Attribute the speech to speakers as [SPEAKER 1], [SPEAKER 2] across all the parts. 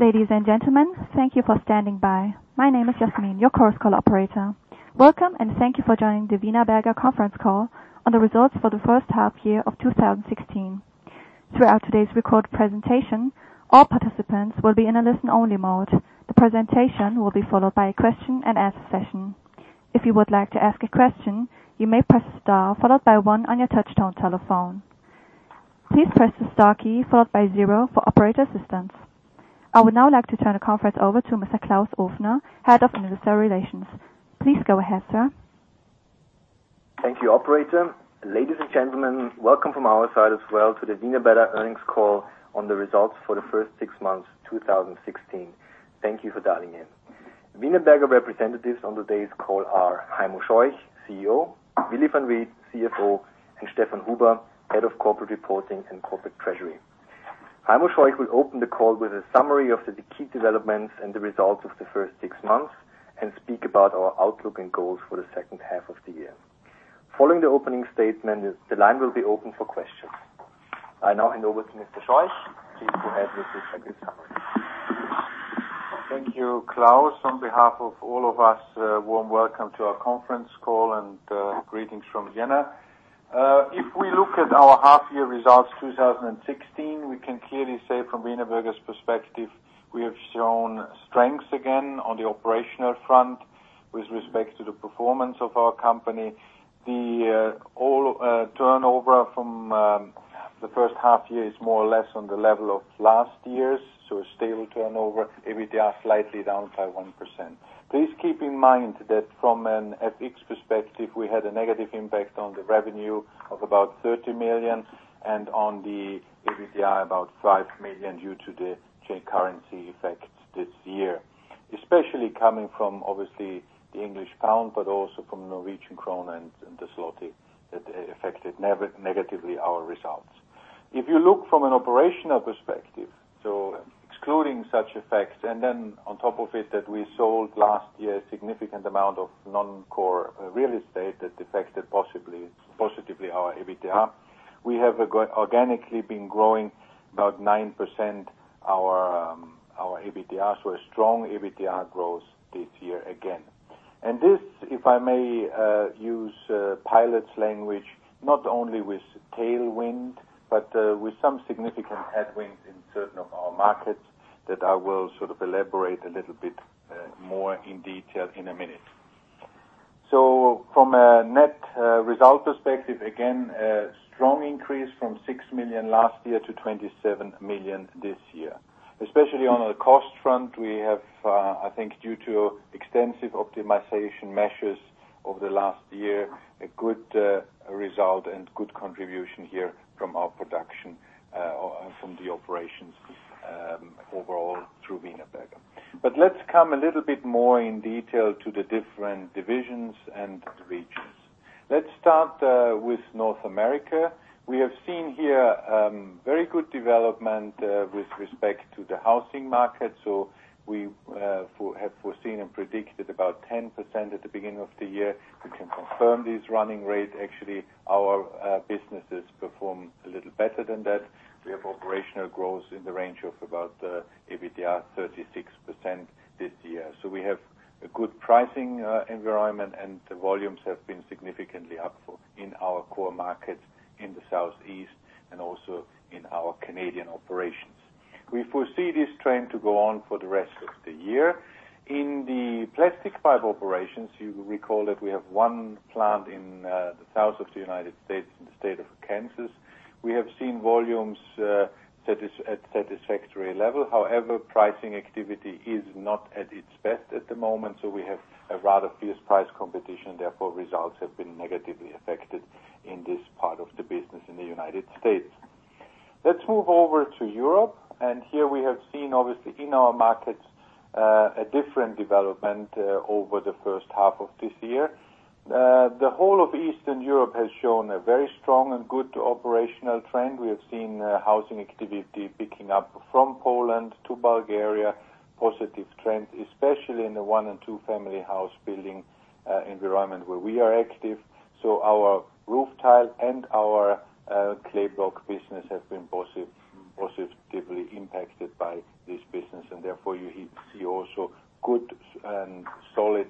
[SPEAKER 1] Ladies and gentlemen, thank you for standing by. My name is Jasmine, your Chorus Call operator. Welcome, and thank you for joining the Wienerberger conference call on the results for the first half year of 2016. Throughout today's recorded presentation, all participants will be in a listen-only mode. The presentation will be followed by a question and answer session. If you would like to ask a question, you may press star followed by one on your touchtone telephone. Please press the star key followed by zero for operator assistance. I would now like to turn the conference over to Mr. Klaus Ofner, Head of Investor Relations. Please go ahead, sir.
[SPEAKER 2] Thank you, operator. Ladies and gentlemen, welcome from our side as well to the Wienerberger earnings call on the results for the first six months 2016. Thank you for dialing in. Wienerberger representatives on today's call are Heimo Scheuch, CEO, Willy Van Riet, CFO, and Stefan Huber, Head of Corporate Reporting and Corporate Treasury. Heimo Scheuch will open the call with a summary of the key developments and the results of the first six months and speak about our outlook and goals for the second half of the year. Following the opening statement, the line will be open for questions. I now hand over to Mr. Scheuch. Please go ahead with the summary.
[SPEAKER 3] Thank you, Klaus. On behalf of all of us, a warm welcome to our conference call and greetings from Vienna. If we look at our half year results 2016, we can clearly say from Wienerberger's perspective, we have shown strength again on the operational front with respect to the performance of our company. The all turnover from the first half year is more or less on the level of last year's, so a stable turnover, EBITDA slightly down by 1%. Please keep in mind that from an FX perspective, we had a negative impact on the revenue of about 30 million and on the EBITDA about 5 million due to the FX currency effect this year, especially coming from obviously the GBP, but also from Norwegian krone and the PLN that affected negatively our results. If you look from an operational perspective, so excluding such effects, and then on top of it that we sold last year a significant amount of non-core real estate that affected positively our EBITDA. We have organically been growing about 9% our EBITDA, so a strong EBITDA growth this year again. This, if I may use a pilot's language, not only with tailwind, but with some significant headwinds in certain of our markets that I will elaborate a little bit more in detail in a minute. From a net result perspective, again, a strong increase from 6 million last year to 27 million this year. Especially on a cost front, we have I think due to extensive optimization measures over the last year, a good result and good contribution here from our production from the operations overall through Wienerberger. Let's come a little bit more in detail to the different divisions and regions. Let's start with North America. We have seen here very good development with respect to the housing market. We have foreseen and predicted about 10% at the beginning of the year. We can confirm this running rate. Actually, our businesses perform a little better than that. We have operational growth in the range of about EBITDA 36% this year. We have a good pricing environment and the volumes have been significantly up in our core markets in the Southeast and also in our Canadian operations. We foresee this trend to go on for the rest of the year. In the plastic pipe operations, you will recall that we have one plant in the south of the U.S. in the state of Kansas. We have seen volumes at satisfactory level. However, pricing activity is not at its best at the moment, we have a rather fierce price competition, therefore results have been negatively affected in this part of the business in the U.S. Let's move over to Europe, and here we have seen, obviously in our markets, a different development over the first half of this year. The whole of Eastern Europe has shown a very strong and good operational trend. We have seen housing activity picking up from Poland to Bulgaria, positive trends, especially in the one and two-family house building environment where we are active. Our roof tile and our clay block business have been positively impacted by this business, and therefore you see also good and solid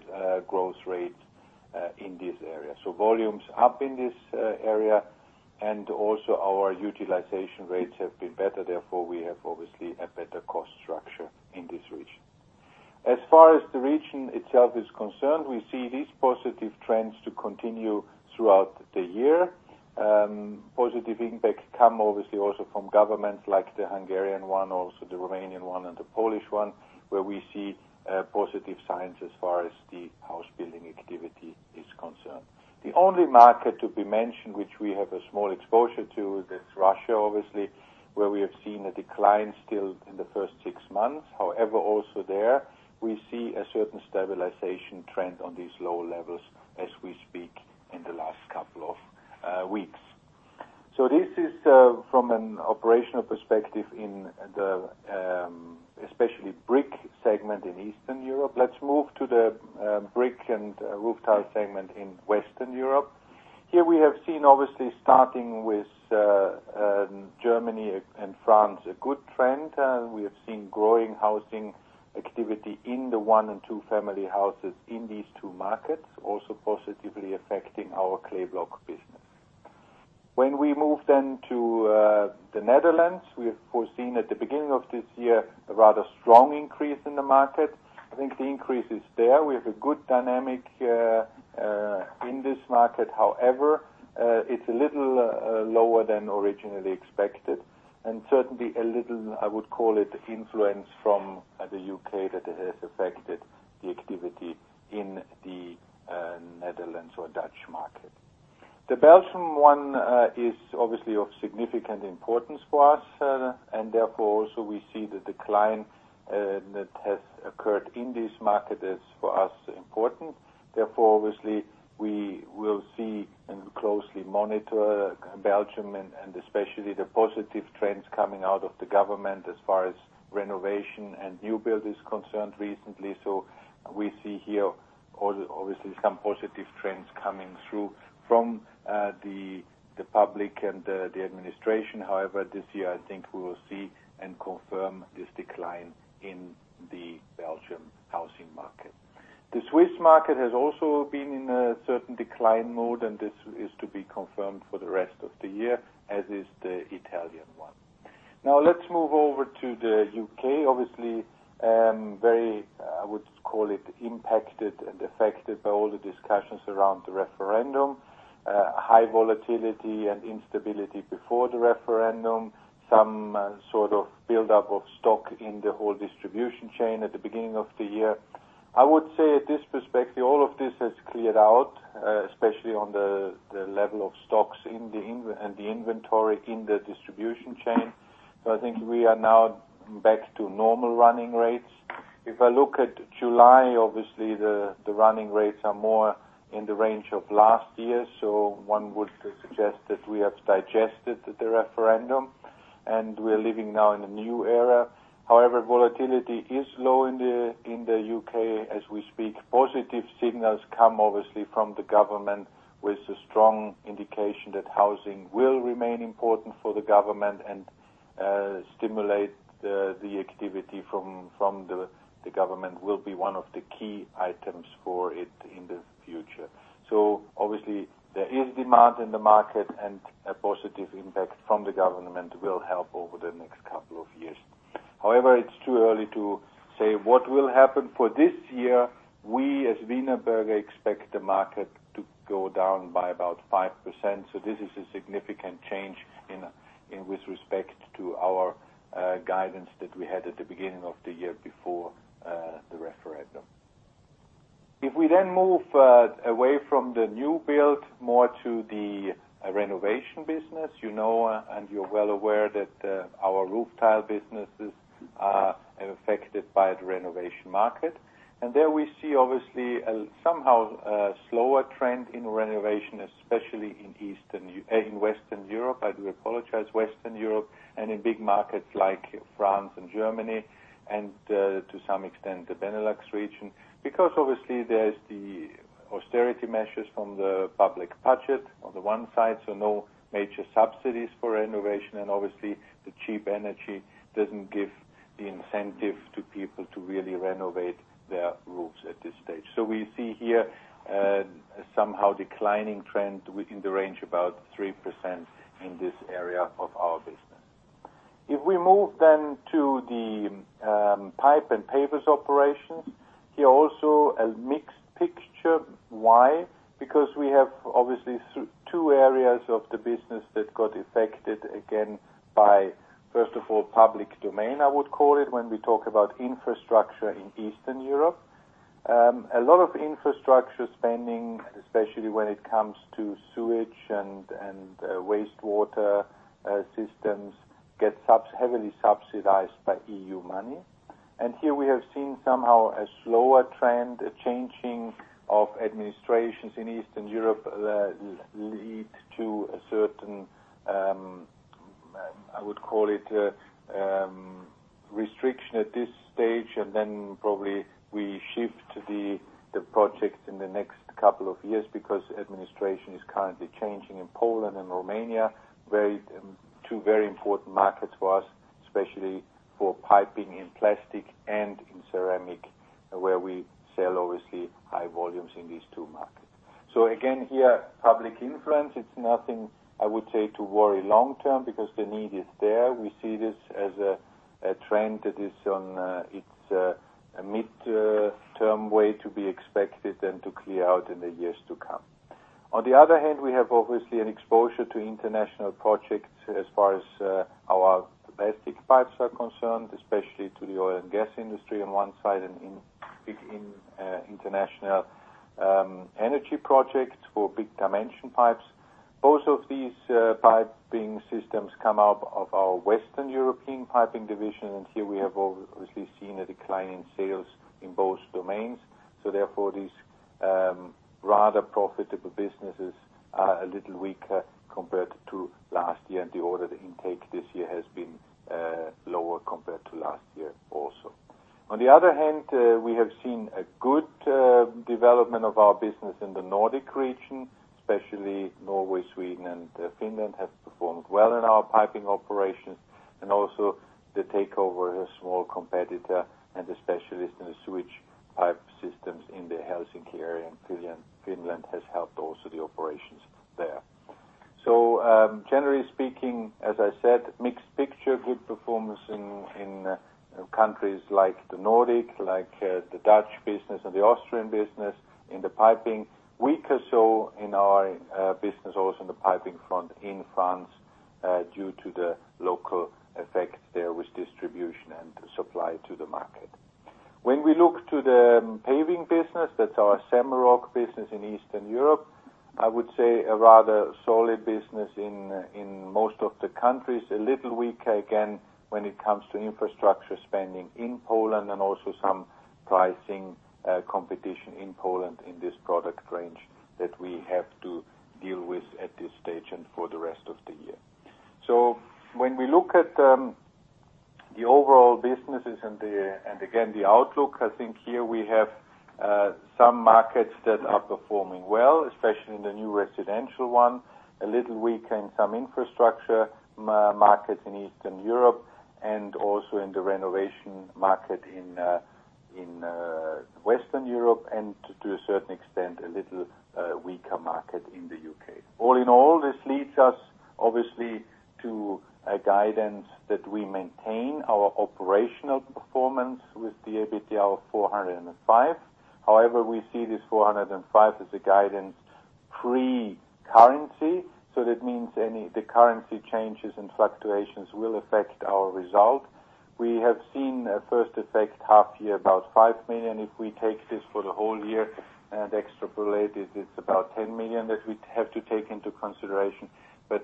[SPEAKER 3] growth rate in this area. Volumes up in this area, and also our utilization rates have been better, therefore we have obviously a better cost structure in this region. As far as the region itself is concerned, we see these positive trends to continue throughout the year. Positive impact come obviously also from governments like the Hungarian one, also the Romanian one and the Polish one, where we see positive signs as far as the house building activity is concerned. The only market to be mentioned, which we have a small exposure to, that's Russia, obviously, where we have seen a decline still in the first six months. However, also there, we see a certain stabilization trend on these low levels as we speak in the last couple of weeks. This is from an operational perspective in the especially brick segment in Eastern Europe. Let's move to the brick and roof tile segment in Western Europe. Here we have seen, obviously starting with Germany and France, a good trend. We have seen growing housing activity in the one and two-family houses in these two markets, also positively affecting our clay block business. When we move then to the Netherlands, we have foreseen at the beginning of this year a rather strong increase in the market. I think the increase is there. We have a good dynamic in this market. However, it's a little lower than originally expected, and certainly a little, I would call it, influence from the U.K. that has affected the activity in the Netherlands or Dutch market. The Belgium one is obviously of significant importance for us, and therefore also we see the decline that has occurred in this market is, for us, important. Obviously, we will see and closely monitor Belgium and especially the positive trends coming out of the government as far as renovation and new build is concerned recently. We see here obviously some positive trends coming through from the public and the administration. However, this year, I think we will see and confirm this decline in the Belgium housing market. The Swiss market has also been in a certain decline mode, and this is to be confirmed for the rest of the year, as is the Italian one. Let's move over to the U.K., obviously very, I would call it, impacted and affected by all the discussions around the referendum. High volatility and instability before the referendum. Some sort of buildup of stock in the whole distribution chain at the beginning of the year. I would say at this perspective, all of this has cleared out, especially on the level of stocks and the inventory in the distribution chain. I think we are now back to normal running rates. If I look at July, obviously the running rates are more in the range of last year, so one would suggest that we have digested the referendum, and we're living now in a new era. However, volatility is low in the U.K. as we speak. Positive signals come obviously from the government with a strong indication that housing will remain important for the government and stimulate the activity from the government will be one of the key items for it in the future. Obviously, there is demand in the market, and a positive impact from the government will help over the next couple of years. However, it's too early to say what will happen for this year. We, as Wienerberger, expect the market to go down by about 5%, so this is a significant change with respect to our guidance that we had at the beginning of the year before the referendum. If we then move away from the new build more to the renovation business, you know, and you're well aware that our roof tile businesses are affected by the renovation market. There we see obviously somehow a slower trend in renovation, especially in Western Europe. I do apologize. Western Europe, in big markets like France and Germany and, to some extent, the Benelux region because obviously there's the austerity measures from the public budget on the one side, so no major subsidies for renovation, and obviously the cheap energy doesn't give the incentive to people to really renovate their roofs at this stage. We see here a somehow declining trend within the range about 3% in this area of our business. If we move then to the Pipes & Pavers operations, here also a mixed picture. Why? Because we have obviously two areas of the business that got affected again by, first of all, public domain, I would call it, when we talk about infrastructure in Eastern Europe. A lot of infrastructure spending, especially when it comes to sewage and wastewater systems, gets heavily subsidized by EU money. Here we have seen somehow a slower trend. A changing of administrations in Eastern Europe led to a certain, I would call it, restriction at this stage. Probably we shift the projects in the next couple of years because administration is currently changing in Poland and Romania. Two very important markets for us, especially for piping in plastic and in ceramic, where we sell obviously high volumes in these two markets. Again, here, public influence, it's nothing, I would say, to worry long-term because the need is there. We see this as a trend that is on its mid-term way to be expected and to clear out in the years to come. On the other hand, we have obviously an exposure to international projects as far as our domestic pipes are concerned, especially to the oil and gas industry on one side and in big international energy projects for big dimension pipes. Both of these piping systems come out of our Western European piping division. Here we have obviously seen a decline in sales in both domains. Therefore, these rather profitable businesses are a little weaker compared to last year, and the order intake this year has been lower compared to last year also. On the other hand, we have seen a good development of our business in the Nordic region, especially Norway, Sweden, and Finland have performed well in our piping operations. Also the takeover of a small competitor and a specialist in the sewage pipe systems in the Helsinki area in Finland has helped also the operations there. Generally speaking, as I said, mixed picture, good performance in countries like the Nordic, like the Dutch business and the Austrian business in the piping. Weaker so in our business also on the piping front in France, due to the local effects there with distribution and supply to the market. When we look to the paving business, that's our Semmelrock business in Eastern Europe, I would say a rather solid business in most of the countries. A little weaker, again, when it comes to infrastructure spending in Poland and also some pricing competition in Poland in this product range that we have to deal with at this stage and for the rest of the year. When we look at the overall businesses and again, the outlook, I think here we have some markets that are performing well, especially in the new residential one, a little weaker in some infrastructure markets in Eastern Europe and also in the renovation market in Western Europe, and to a certain extent, a little weaker market in the U.K. All in all, this leads us obviously to a guidance that we maintain our operational performance with the EBITDA of 405 million. However, we see this 405 million as a guidance pre-currency. That means any of the currency changes and fluctuations will affect our result. We have seen a first effect half year, about 5 million. If we take this for the whole year and extrapolate it's about 10 million that we have to take into consideration.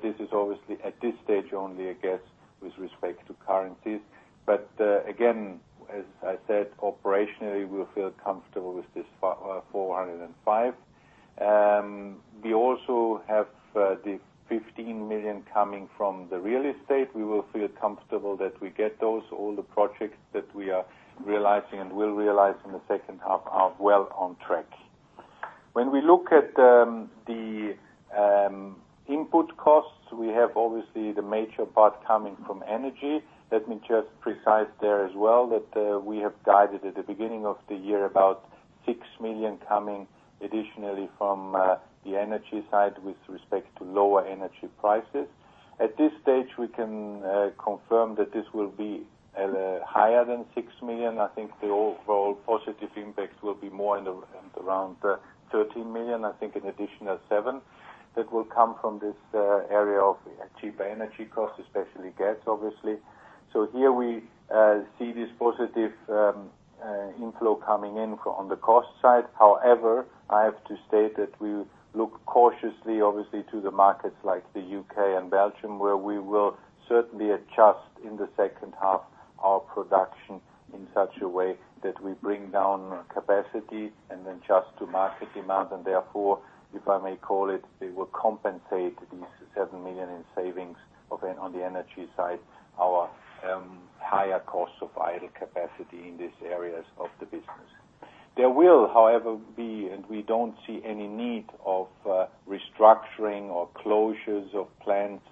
[SPEAKER 3] This is obviously at this stage only a guess with respect to currencies. Again, as I said, operationally, we feel comfortable with this 405. We also have the 15 million coming from the real estate. We will feel comfortable that we get those. All the projects that we are realizing and will realize in the second half are well on track. When we look at the input costs, we have obviously the major part coming from energy. Let me just precise there as well that we have guided at the beginning of the year about 6 million coming additionally from the energy side with respect to lower energy prices. At this stage, we can confirm that this will be higher than 6 million. I think the overall positive impact will be more around 13 million. I think an additional 7 that will come from this area of cheaper energy costs, especially gas, obviously. Here we see this positive inflow coming in on the cost side. However, I have to state that we look cautiously, obviously, to the markets like the U.K. and Belgium, where we will certainly adjust in the second half our production in such a way that we bring down capacity and then adjust to market demand, and therefore, if I may call it, they will compensate these 7 million in savings on the energy side, our higher costs of idle capacity in these areas of the business. There will, however, be, and we don't see any need of restructuring or closures of plants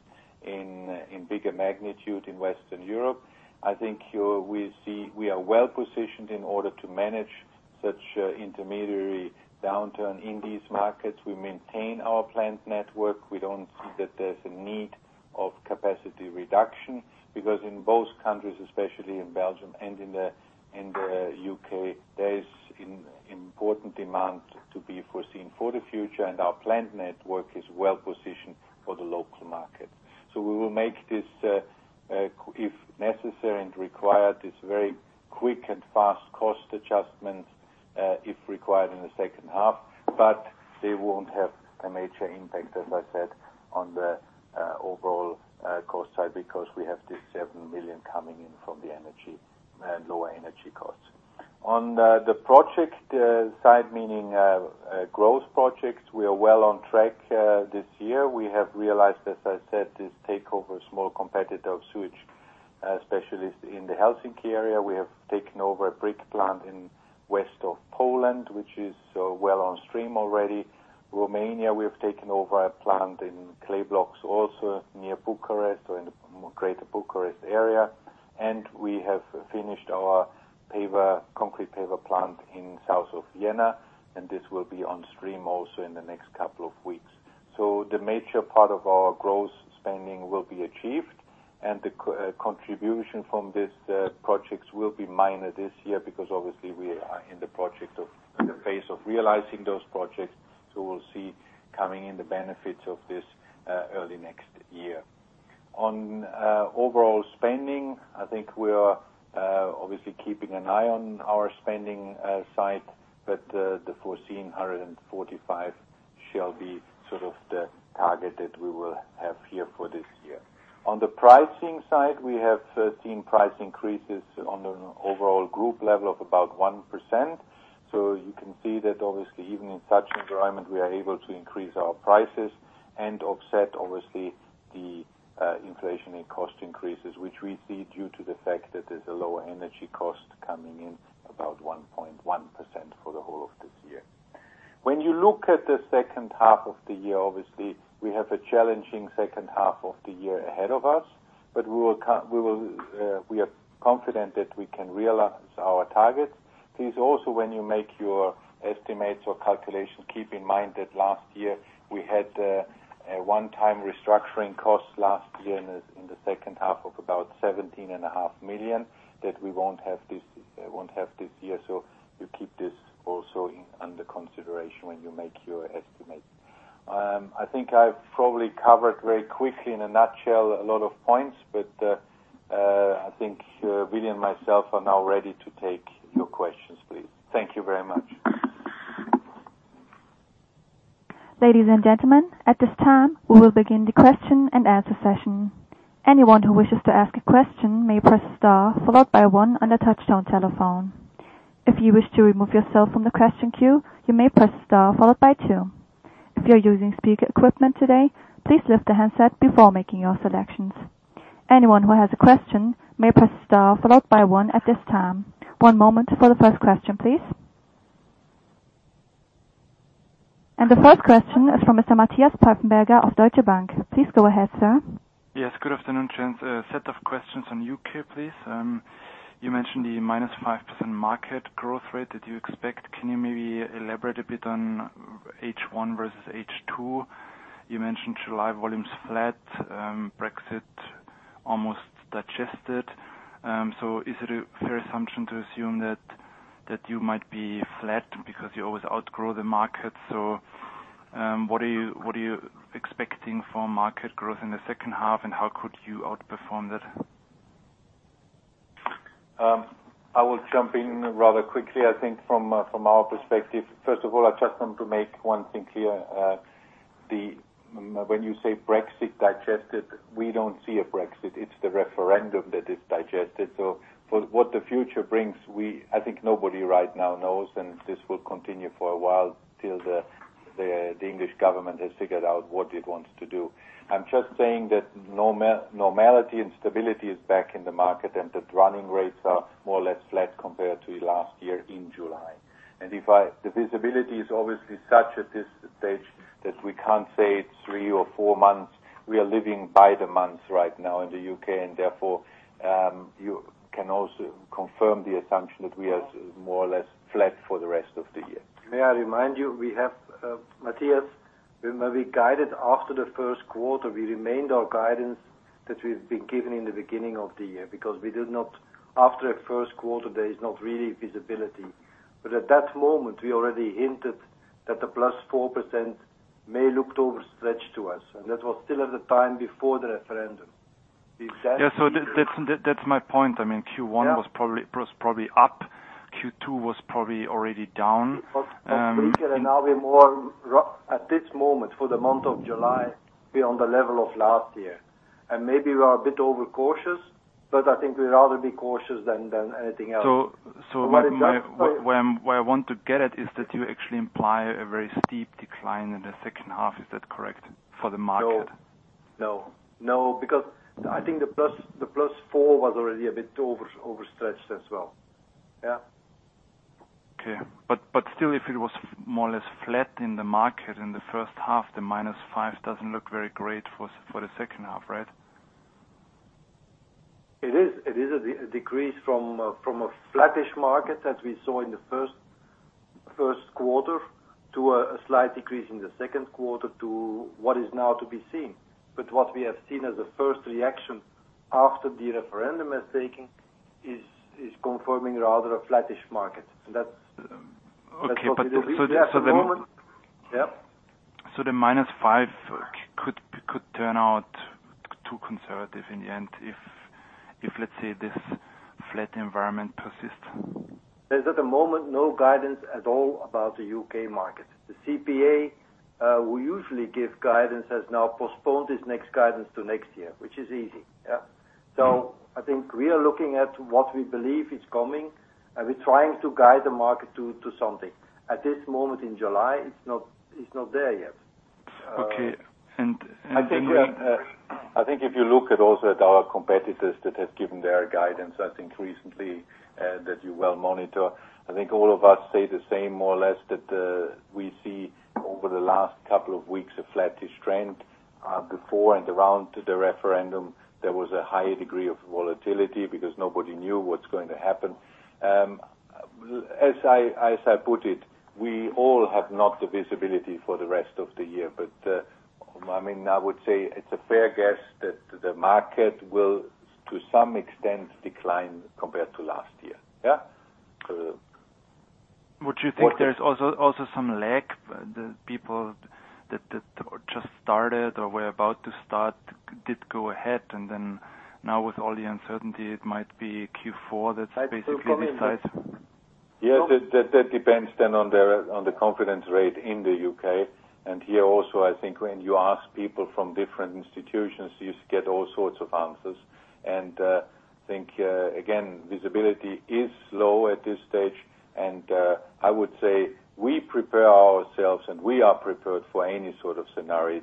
[SPEAKER 3] in bigger magnitude in Western Europe. I think here we are well-positioned in order to manage such intermediary downturn in these markets. We maintain our plant network. We don't see that there's a need of capacity reduction because in both countries, especially in Belgium and in the U.K., there is important demand to be foreseen for the future, and our plant network is well positioned for the local market. We will make this, if necessary and required, this very quick and fast cost adjustment if required in the second half, but they won't have a major impact, as I said, on the overall cost side because we have this 7 million coming in from the lower energy costs. On the project side, meaning growth projects, we are well on track this year. We have realized, as I said, this takeover of small competitor of sewage specialists in the Helsinki area. We have taken over a brick plant in West of Poland, which is well on stream already. Romania, we have taken over a plant in clay blocks also near Bucharest or in the greater Bucharest area. We have finished our concrete paver plant in South of Vienna, and this will be on stream also in the next couple of weeks. The major part of our growth spending will be achieved, and the contribution from these projects will be minor this year because obviously we are in the phase of realizing those projects. We'll see coming in the benefits of this early next year. On overall spending, I think we are obviously keeping an eye on our spending side, but the foreseen 145 shall be sort of the target that we will have here for this year. On the pricing side, we have seen price increases on an overall group level of about 1%. You can see that obviously, even in such environment, we are able to increase our prices and offset obviously the inflation and cost increases, which we see due to the fact that there's a lower energy cost coming in about 1.1% for the whole of this year. When you look at the second half of the year, obviously, we have a challenging second half of the year ahead of us, but we are confident that we can realize our targets. Please also, when you make your estimates or calculations, keep in mind that last year we had a one-time restructuring cost last year in the second half of about 17.5 million that we won't have this year. You keep this also under consideration when you make your estimate. I think I've probably covered very quickly in a nutshell, a lot of points, but I think Willy and myself are now ready to take your questions, please. Thank you very much.
[SPEAKER 1] Ladies and gentlemen, at this time, we will begin the question and answer session. Anyone who wishes to ask a question may press star, followed by one on the touchtone telephone. If you wish to remove yourself from the question queue, you may press star followed by two. If you're using speaker equipment today, please lift the handset before making your selections. Anyone who has a question may press star followed by one at this time. One moment for the first question, please. The first question is from Mr. Matthias Pfeifenberger of Deutsche Bank. Please go ahead, sir.
[SPEAKER 4] Yes. Good afternoon, gents. A set of questions on U.K., please. You mentioned the minus 5% market growth rate that you expect. Can you maybe elaborate a bit on H1 versus H2? You mentioned July volumes flat, Brexit almost digested. Is it a fair assumption to assume that you might be flat because you always outgrow the market? What are you expecting for market growth in the second half, and how could you outperform that?
[SPEAKER 3] I will jump in rather quickly. I think from our perspective, first of all, I just want to make one thing clear. When you say Brexit digested, we don't see a Brexit. It's the referendum that is digested. For what the future brings, I think nobody right now knows, and this will continue for a while till the U.K. government has figured out what it wants to do. I'm just saying that normality and stability is back in the market, and that running rates are more or less flat compared to last year in July. The visibility is obviously such at this stage that we can't say it's three or four months. We are living by the month right now in the U.K., and therefore, you can also confirm the assumption that we are more or less flat for the rest of the year.
[SPEAKER 5] May I remind you, Matthias, when we guided after the first quarter, we remained our guidance that we've been given in the beginning of the year because after a first quarter, there is not really visibility. At that moment, we already hinted that the plus 4% may look overstretched to us, and that was still at the time before the referendum.
[SPEAKER 4] Yeah. That's my point. I mean, Q1 was probably up. Q2 was probably already down.
[SPEAKER 5] Weaker and now we're more at this moment for the month of July, we're on the level of last year. Maybe we are a bit overcautious, but I think we'd rather be cautious than anything else.
[SPEAKER 4] What I want to get at is that you actually imply a very steep decline in the second half. Is that correct? For the market.
[SPEAKER 5] No. Because I think the plus four was already a bit overstretched as well. Yeah.
[SPEAKER 4] Okay. Still, if it was more or less flat in the market in the first half, the minus five doesn't look very great for the second half, right?
[SPEAKER 5] It is a decrease from a flattish market as we saw in the first quarter to a slight decrease in the second quarter to what is now to be seen. What we have seen as a first reaction after the referendum at stake is confirming rather a flattish market.
[SPEAKER 4] Okay.
[SPEAKER 5] That's what it is at the moment. Yeah.
[SPEAKER 4] The minus five could turn out too conservative in the end if, let's say, this flat environment persists.
[SPEAKER 5] There's at the moment, no guidance at all about the U.K. market. The CPA, we usually give guidance, has now postponed its next guidance to next year, which is easy. Yeah. I think we are looking at what we believe is coming, and we're trying to guide the market to something. At this moment in July, it's not there yet.
[SPEAKER 4] Okay.
[SPEAKER 3] If you look at also at our competitors that have given their guidance, recently, that you well monitor. All of us say the same more or less, that we see over the last couple of weeks a flattish trend. Before and around the referendum, there was a higher degree of volatility because nobody knew what's going to happen. As I put it, we all have not the visibility for the rest of the year. I would say it's a fair guess that the market will to some extent decline compared to last year. Yeah.
[SPEAKER 4] Would you think there's also some lag, the people that just started or were about to start did go ahead, and then now with all the uncertainty, it might be Q4 that's basically the tide?
[SPEAKER 3] Yes. That depends then on the confidence rate in the U.K. Here also, when you ask people from different institutions, you get all sorts of answers.
[SPEAKER 5] Again, visibility is low at this stage, I would say we prepare ourselves and we are prepared for any sort of scenario.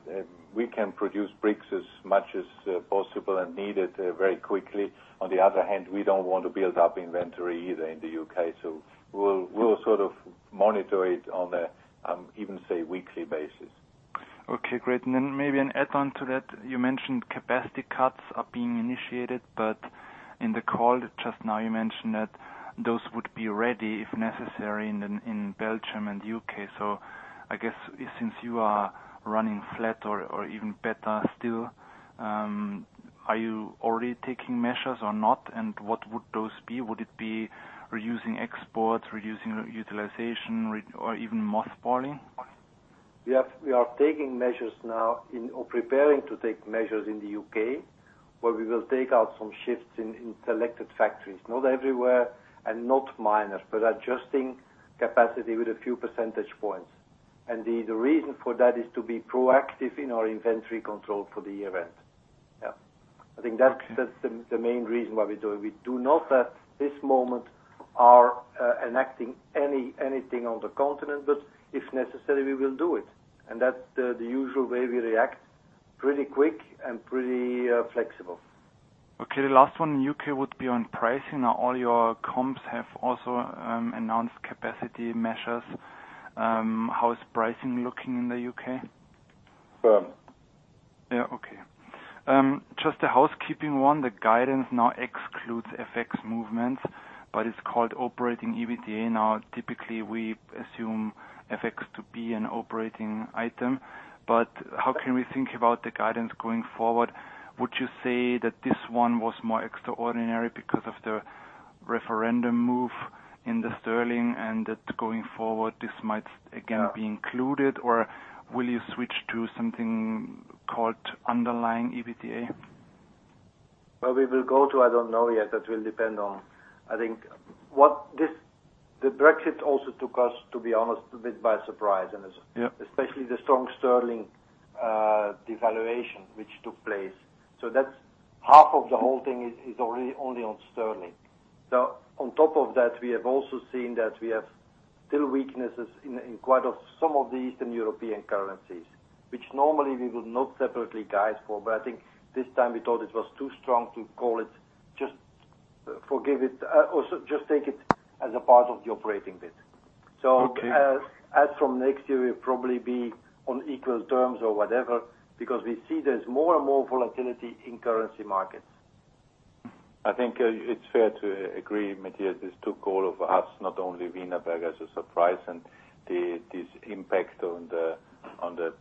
[SPEAKER 5] We can produce bricks as much as possible and needed very quickly. On the other hand, we don't want to build up inventory either in the U.K., we'll monitor it on a, even say, weekly basis.
[SPEAKER 4] Okay, great. Then maybe an add-on to that. You mentioned capacity cuts are being initiated, but in the call just now you mentioned that those would be ready if necessary in Belgium and U.K. I guess since you are running flat or even better still, are you already taking measures or not? What would those be? Would it be reducing exports, reducing utilization, or even mothballing?
[SPEAKER 5] We are taking measures now or preparing to take measures in the U.K., where we will take out some shifts in selected factories. Not everywhere and not minor, but adjusting capacity with a few percentage points. The reason for that is to be proactive in our inventory control for the event. I think that's the main reason why we do it. We do not at this moment are enacting anything on the Continent, but if necessary, we will do it. That's the usual way we react, pretty quick and pretty flexible.
[SPEAKER 4] The last one U.K. would be on pricing. All your comps have also announced capacity measures. How is pricing looking in the U.K.?
[SPEAKER 5] Firm.
[SPEAKER 4] Just a housekeeping one. The guidance now excludes FX movements, but it's called operating EBITDA. Typically we assume FX to be an operating item, but how can we think about the guidance going forward? Would you say that this one was more extraordinary because of the referendum move in the sterling and that going forward this might again be included, or will you switch to something called underlying EBITDA?
[SPEAKER 5] Where we will go to, I don't know yet. That will depend on, I think, what the Brexit also took us, to be honest, a bit by surprise.
[SPEAKER 4] Yeah
[SPEAKER 5] especially the strong sterling devaluation which took place. That's half of the whole thing is only on sterling. On top of that, we have also seen that we have still weaknesses in quite of some of the Eastern European currencies, which normally we would not separately guide for. I think this time we thought it was too strong to call it just forgive it. Just take it as a part of the operating bit.
[SPEAKER 4] Okay.
[SPEAKER 5] As from next year, we'll probably be on equal terms or whatever, because we see there's more and more volatility in currency markets.
[SPEAKER 3] I think it's fair to agree, Matthias, this took all of us, not only Wienerberger as a surprise and this impact on the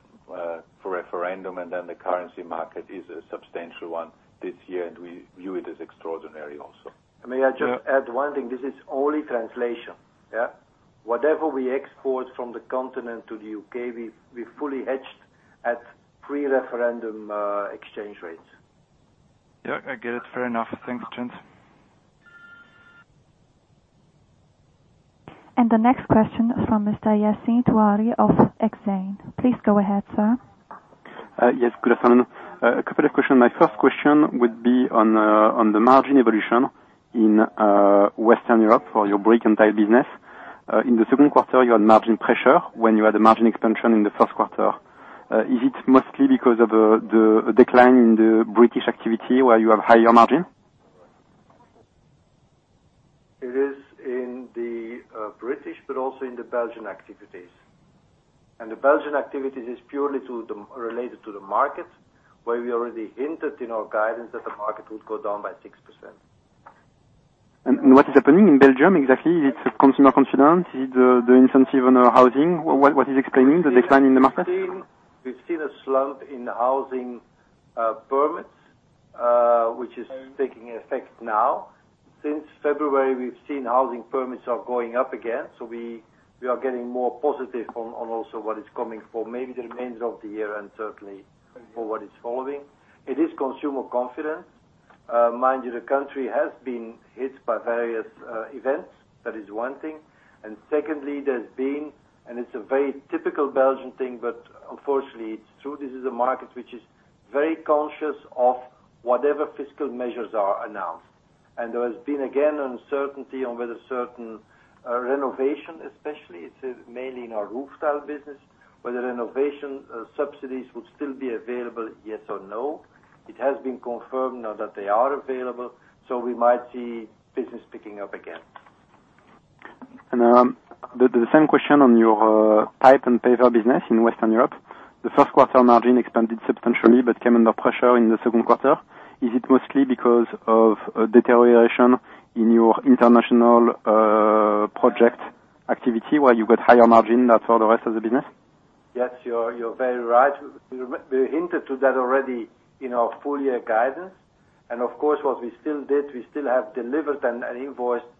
[SPEAKER 3] referendum and then the currency market is a substantial one this year. We view it as extraordinary also.
[SPEAKER 5] May I just add one thing? This is only translation. Yeah. Whatever we export from the Continent to the U.K., we fully hedged at pre-referendum exchange rates.
[SPEAKER 4] Yeah, I get it. Fair enough. Thanks, gents.
[SPEAKER 1] The next question from Mr. Yassine Touahri of Exane. Please go ahead, sir.
[SPEAKER 6] Yes, good afternoon. A couple of questions. My first question would be on the margin evolution in Western Europe for your brick and tile business. In the second quarter, you had margin pressure when you had a margin expansion in the first quarter. Is it mostly because of the decline in the British activity where you have higher margin?
[SPEAKER 5] It is in the British, but also in the Belgian activities. The Belgian activities is purely related to the market, where we already hinted in our guidance that the market would go down by 6%.
[SPEAKER 6] What is happening in Belgium exactly? Is it consumer confidence? Is it the incentive on the housing? What is explaining the decline in the market?
[SPEAKER 5] We've seen a slump in housing permits, which is taking effect now. Since February, we've seen housing permits are going up again, we are getting more positive on also what is coming for maybe the remainder of the year and certainly for what is following. It is consumer confidence. Mind you, the country has been hit by various events. That is one thing. Secondly, there's been, and it's a very typical Belgian thing, but unfortunately, it's true, this is a market which is very conscious of whatever fiscal measures are announced. There has been, again, uncertainty on whether certain renovation, especially, it is mainly in our roof tile business, whether renovation subsidies would still be available, yes or no. It has been confirmed now that they are available, so we might see business picking up again.
[SPEAKER 6] The same question on your Pipes & Pavers business in Western Europe. The first quarter margin expanded substantially but came under pressure in the second quarter. Is it mostly because of a deterioration in your international project activity where you got higher margin that's for the rest of the business?
[SPEAKER 5] Yes, you're very right. We hinted to that already in our full year guidance. Of course, what we still did, we still have delivered and invoiced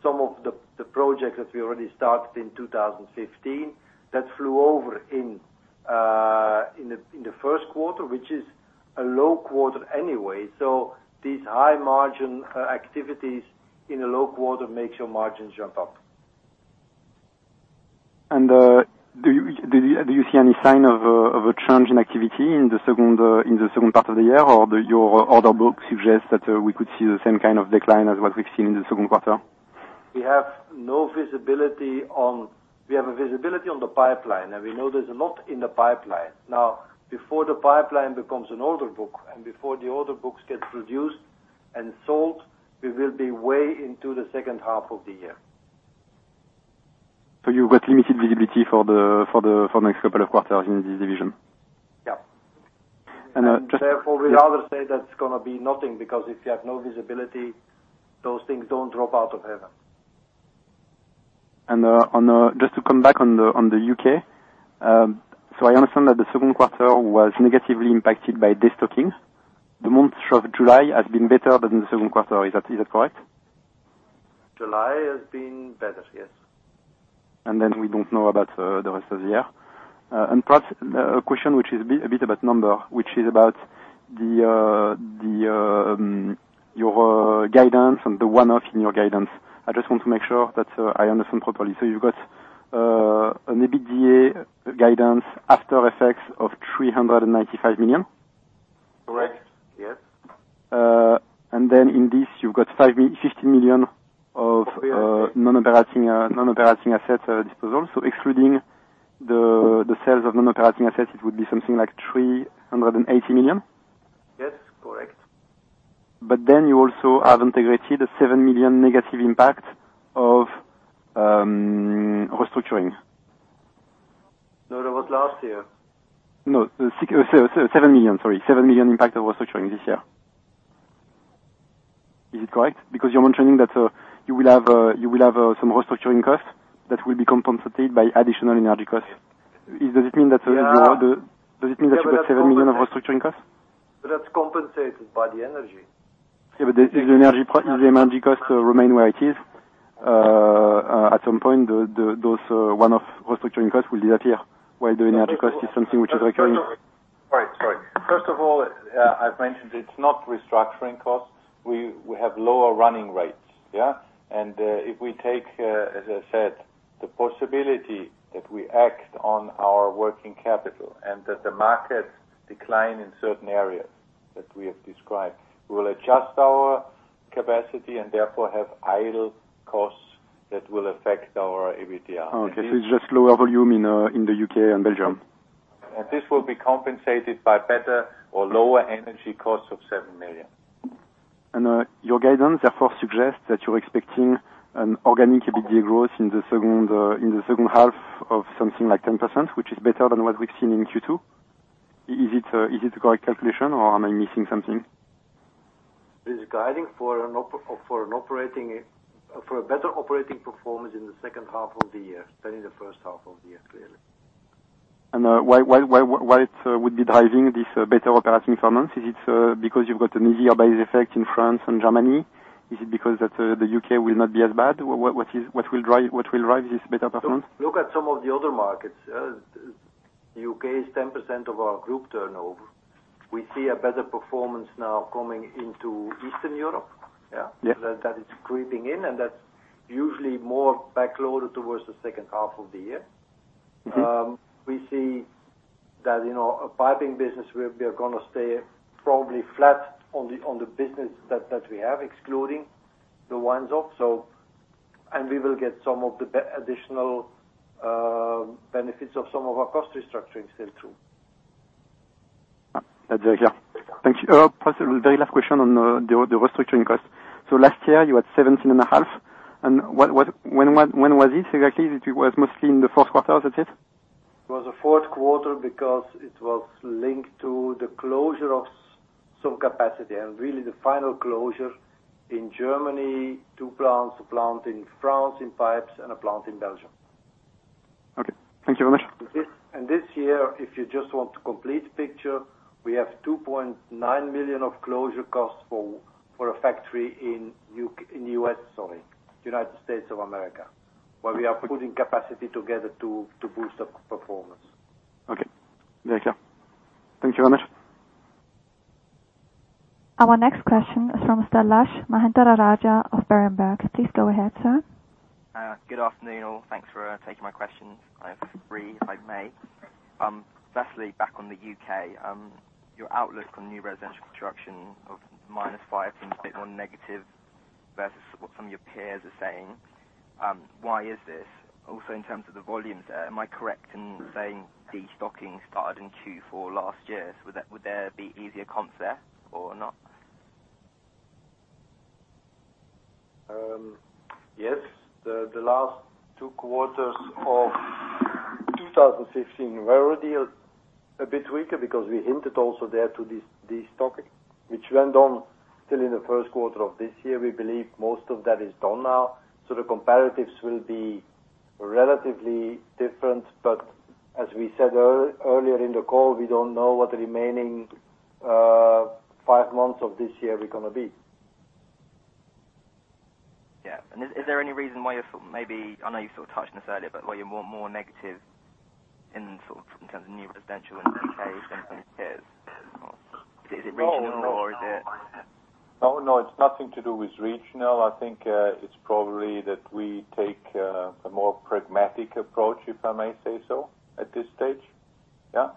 [SPEAKER 5] some of the projects that we already started in 2015 that flew over in the first quarter, which is a low quarter anyway. These high margin activities in a low quarter makes your margin jump up.
[SPEAKER 6] Do you see any sign of a change in activity in the second part of the year, or your order book suggests that we could see the same kind of decline as what we've seen in the second quarter?
[SPEAKER 5] We have a visibility on the pipeline, and we know there's a lot in the pipeline. Now, before the pipeline becomes an order book, and before the order books get produced and sold, we will be way into the second half of the year.
[SPEAKER 6] You've got limited visibility for the next couple of quarters in this division?
[SPEAKER 5] Yeah.
[SPEAKER 6] And just-
[SPEAKER 5] Therefore, we'd rather say that's going to be nothing, because if you have no visibility, those things don't drop out of heaven.
[SPEAKER 6] Just to come back on the U.K. I understand that the second quarter was negatively impacted by destocking. The month of July has been better than the second quarter. Is that correct?
[SPEAKER 5] July has been better, yes.
[SPEAKER 6] We don't know about the rest of the year. Perhaps a question which is a bit about number, which is about your guidance and the one-off in your guidance. I just want to make sure that I understand properly. You've got an EBITDA guidance after effects of 395 million?
[SPEAKER 5] Correct. Yes.
[SPEAKER 6] In this, you've got 50 million.
[SPEAKER 5] 38
[SPEAKER 6] non-operating asset disposals. Excluding the sales of non-operating assets, it would be something like 380 million?
[SPEAKER 5] Yes, correct.
[SPEAKER 6] You also have integrated a 7 million negative impact of restructuring.
[SPEAKER 5] No, that was last year.
[SPEAKER 6] No, 7 million, sorry. 7 million impact of restructuring this year. Is it correct? You're mentioning that you will have some restructuring costs that will be compensated by additional energy costs. Does it mean that you are the-
[SPEAKER 5] Yeah.
[SPEAKER 6] Does it mean that you've got 7 million of restructuring costs?
[SPEAKER 5] That's compensated by the energy.
[SPEAKER 6] If the energy costs remain where it is, at some point, those one-off restructuring costs will disappear, while the energy cost is something which is recurring.
[SPEAKER 5] Sorry. First of all, I've mentioned it's not restructuring costs. We have lower running rates. Yeah? If we take, as I said, the possibility that we act on our working capital and that the market decline in certain areas that we have described, we will adjust our capacity and therefore have idle costs that will affect our EBITDA.
[SPEAKER 6] It's just lower volume in the U.K. and Belgium.
[SPEAKER 5] This will be compensated by better or lower energy costs of 7 million.
[SPEAKER 6] Your guidance, therefore, suggests that you're expecting an organic EBITDA growth in the second half of something like 10%, which is better than what we've seen in Q2. Is it the correct calculation or am I missing something?
[SPEAKER 5] It is guiding for a better operating performance in the second half of the year than in the first half of the year, clearly.
[SPEAKER 6] Why it would be driving this better operating performance? Is it because you've got an easier base effect in France and Germany? Is it because that the U.K. will not be as bad? What will drive this better performance?
[SPEAKER 5] Look at some of the other markets. U.K. is 10% of our group turnover. We see a better performance now coming into Eastern Europe, yeah?
[SPEAKER 6] Yeah.
[SPEAKER 5] That is creeping in, that's usually more backloaded towards the second half of the year. We see that a piping business, we are going to stay probably flat on the business that we have, excluding the one-offs, we will get some of the additional benefits of some of our cost restructuring still, too.
[SPEAKER 6] That's very clear. Thank you. Possibly very last question on the restructuring cost. Last year, you had 17 and a half, and when was this exactly? It was mostly in the fourth quarter. That's it?
[SPEAKER 5] It was the fourth quarter because it was linked to the closure of some capacity, and really the final closure in Germany, two plants, a plant in France in pipes, and a plant in Belgium.
[SPEAKER 6] Okay. Thank you very much.
[SPEAKER 5] This year, if you just want the complete picture, we have 2.9 million of closure costs for a factory in U.S., sorry, United States of America, where we are putting capacity together to boost up performance.
[SPEAKER 6] Okay. Very clear. Thank you very much.
[SPEAKER 1] Our next question is from Dilash Mahendrarajah of Berenberg. Please go ahead, sir.
[SPEAKER 7] Good afternoon all. Thanks for taking my questions. I have three, if I may. Firstly, back on the U.K., your outlook on new residential construction of -5% seems a bit more negative versus what some of your peers are saying. Why is this? Also in terms of the volumes there, am I correct in saying destocking started in Q4 last year? Would there be easier comps there or not?
[SPEAKER 5] Yes. The last two quarters of 2015 were already a bit weaker because we hinted also there to destocking, which went on till in the first quarter of this year. We believe most of that is done now. The comparatives will be relatively different, but as we said earlier in the call, we don't know what remaining five months of this year we're gonna be.
[SPEAKER 7] Yeah. Is there any reason why you're maybe, I know you sort of touched on this earlier, but why you're more negative in sort of terms of new residential in the U.K. than some of your peers? Is it regional or is it-
[SPEAKER 3] No, it's nothing to do with regional. I think it's probably that we take a more pragmatic approach, if I may say so at this stage. Yeah.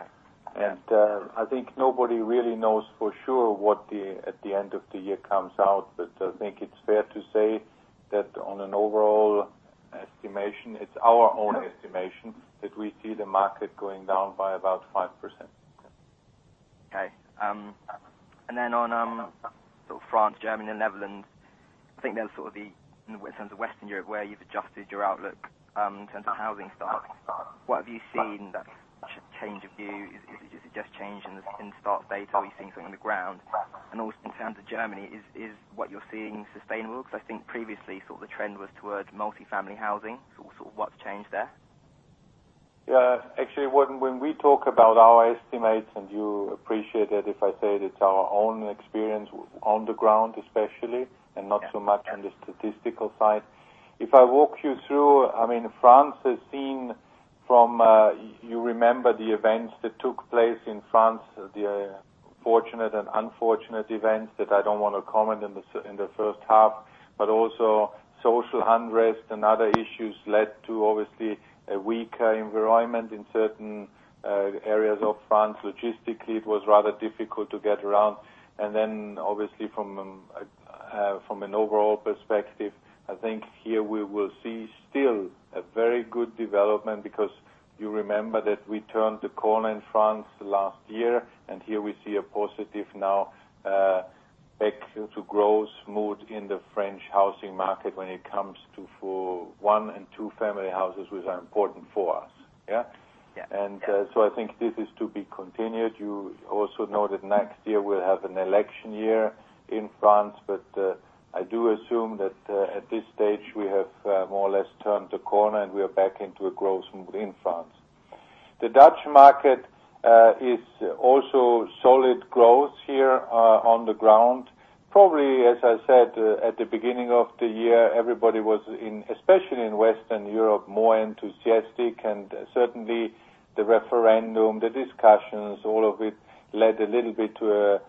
[SPEAKER 3] I think nobody really knows for sure what, at the end of the year, comes out. I think it's fair to say that on an overall estimation, it's our own estimation that we see the market going down by about 5%.
[SPEAKER 7] Okay. On France, Germany, and the Netherlands. I think they're sort of the, in terms of Western Europe, where you've adjusted your outlook in terms of housing stock. What have you seen that's changed your view? Is it just a change in the stock data, or are you seeing something on the ground? Also, in terms of Germany, is what you're seeing sustainable? Because I think previously, the trend was towards multi-family housing. What's changed there?
[SPEAKER 3] Yeah. Actually, when we talk about our estimates, and you appreciate that if I say it's our own experience on the ground especially, and not so much on the statistical side. If I walk you through, France has seen from, you remember the events that took place in France, the fortunate and unfortunate events that I don't want to comment in the first half, but also social unrest and other issues led to, obviously, a weaker environment in certain areas of France. Logistically, it was rather difficult to get around. Obviously, from an overall perspective, I think here we will see still a very good development because you remember that we turned the corner in France last year, and here we see a positive now, back to growth mood in the French housing market when it comes to for one and two-family houses, which are important for us. Yeah?
[SPEAKER 7] Yeah.
[SPEAKER 3] I think this is to be continued. You also know that next year we'll have an election year in France, I do assume that at this stage, we have more or less turned the corner and we are back into a growth in France. The Dutch market is also solid growth here on the ground. Probably, as I said at the beginning of the year, everybody was, especially in Western Europe, more enthusiastic, and certainly the referendum, the discussions, all of it led a little bit to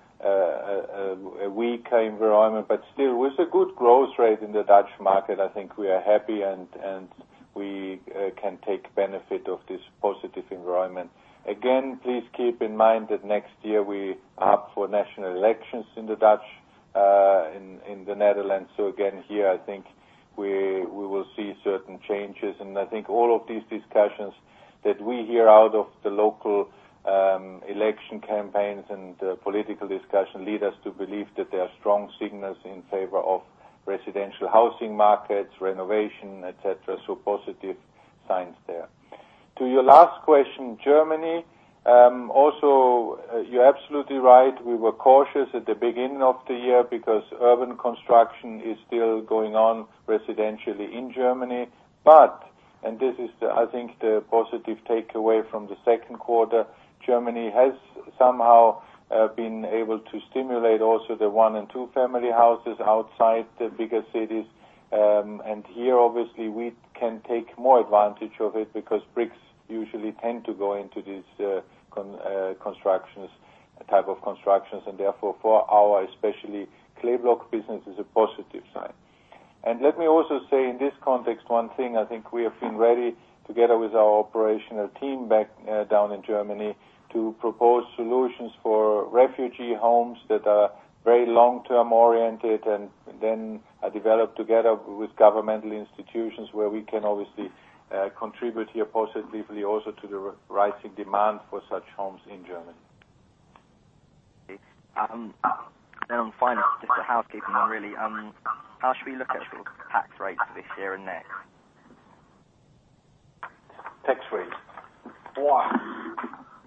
[SPEAKER 3] a weaker environment, but still with a good growth rate in the Dutch market. I think we are happy and we can take benefit of this positive environment. Again, please keep in mind that next year we are up for national elections in the Netherlands. Again, here, I think we will see certain changes. I think all of these discussions that we hear out of the local election campaigns and political discussion lead us to believe that there are strong signals in favor of residential housing markets, renovation, et cetera. Positive signs there. To your last question, Germany. You're absolutely right. We were cautious at the beginning of the year because urban construction is still going on residentially in Germany. This is I think the positive takeaway from the second quarter, Germany has somehow been able to stimulate also the one and two-family houses outside the bigger cities. Here, obviously, we can take more advantage of it because bricks usually tend to go into these type of constructions, and therefore for our, especially clay block business, is a positive sign. Let me also say in this context, one thing, I think we have been ready together with our operational team back down in Germany to propose solutions for refugee homes that are very long-term oriented and are developed together with governmental institutions where we can obviously contribute here positively also to the rising demand for such homes in Germany.
[SPEAKER 7] Okay. Finally, just for housekeeping really. How should we look at tax rates this year and next?
[SPEAKER 3] Tax rates. Wow.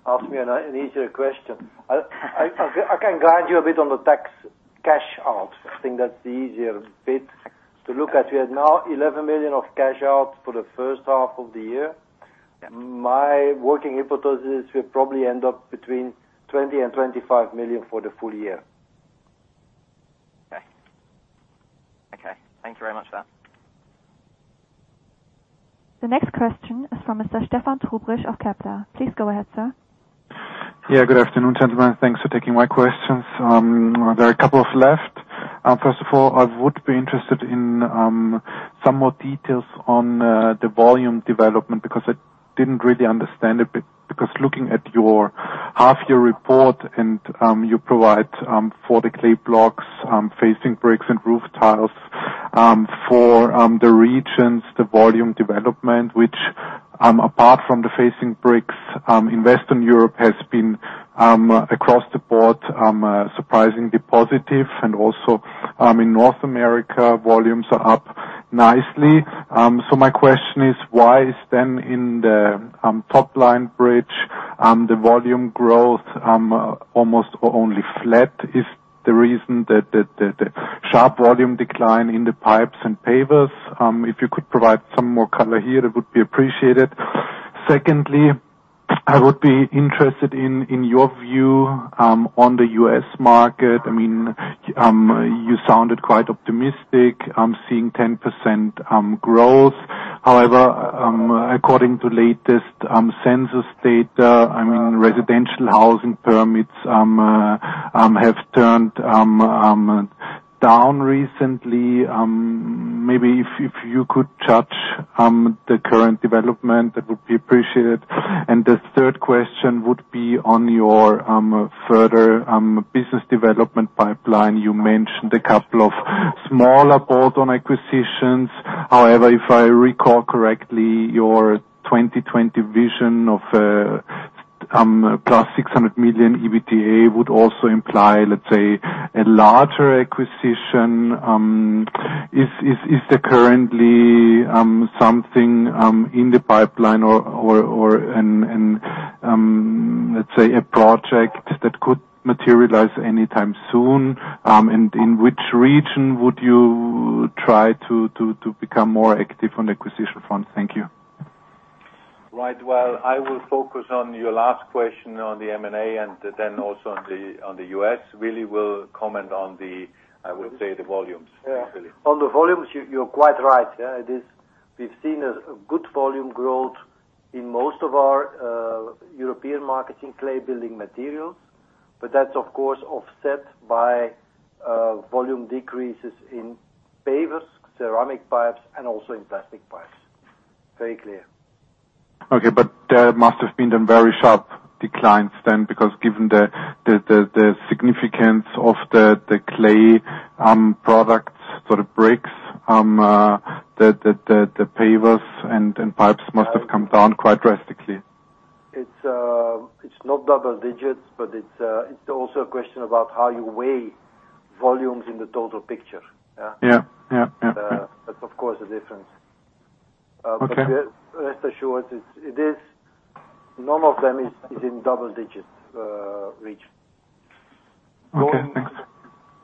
[SPEAKER 3] Ask me an easier question. I can guide you a bit on the tax cash out. I think that's the easier bit to look at. We have now 11 million of cash out for the first half of the year.
[SPEAKER 7] Yeah.
[SPEAKER 3] My working hypothesis, we'll probably end up between 20 million and 25 million for the full year.
[SPEAKER 7] Okay. Thank you very much for that.
[SPEAKER 1] The next question is from Mr. Stefan Trubrig of Kepler. Please go ahead, sir.
[SPEAKER 8] Yeah, good afternoon, gentlemen. Thanks for taking my questions. There are a couple left. First of all, I would be interested in some more details on the volume development, because I didn't really understand it. Looking at your half-year report, and you provide for the clay blocks, facing bricks, and roof tiles for the regions, the volume development, which apart from the facing bricks in Western Europe, has been across the board surprisingly positive. Also in North America, volumes are up nicely. My question is, why is then in the top line bridge, the volume growth almost only flat? Is the reason that the sharp volume decline in the Pipes & Pavers? If you could provide some more color here, that would be appreciated. Secondly, I would be interested in your view on the U.S. market. You sounded quite optimistic seeing 10% growth. However, according to latest census data, residential housing permits have turned down recently. Maybe if you could judge the current development, that would be appreciated. The third question would be on your further business development pipeline. You mentioned a couple of smaller bolt-on acquisitions. However, if I recall correctly, your 2020 vision of plus 600 million EBITDA would also imply, let's say, a larger acquisition. Is there currently something in the pipeline or, let's say, a project that could materialize anytime soon? In which region would you try to become more active on the acquisition front? Thank you.
[SPEAKER 3] Right. Well, I will focus on your last question on the M&A and then also on the U.S. Willy will comment on the, I would say, the volumes.
[SPEAKER 5] Yeah. On the volumes, you're quite right. We've seen a good volume growth in most of our European markets in Clay Building Materials, but that's of course offset by volume decreases in pavers, ceramic pipes, and also in plastic pipes. Very clear.
[SPEAKER 8] Okay, there must have been very sharp declines then, because given the significance of the clay products, so the bricks, the pavers, and pipes must have come down quite drastically.
[SPEAKER 5] It's not double digits, it's also a question about how you weigh volumes in the total picture.
[SPEAKER 8] Yeah.
[SPEAKER 5] There's of course a difference.
[SPEAKER 8] Okay.
[SPEAKER 5] Rest assured, none of them is in double digit region.
[SPEAKER 8] Okay, thanks.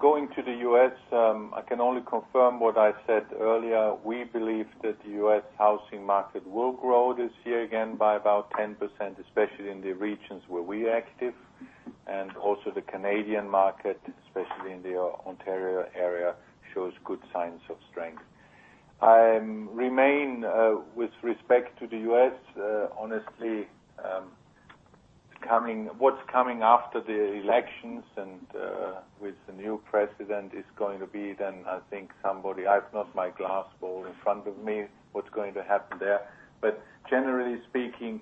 [SPEAKER 3] Going to the U.S., I can only confirm what I said earlier. We believe that the U.S. housing market will grow this year again by about 10%, especially in the regions where we are active, and also the Canadian market, especially in the Ontario area, shows good signs of strength. I remain with respect to the U.S., honestly what's coming after the elections and with the new president is going to be then I think I've not my glass ball in front of me what's going to happen there. Generally speaking,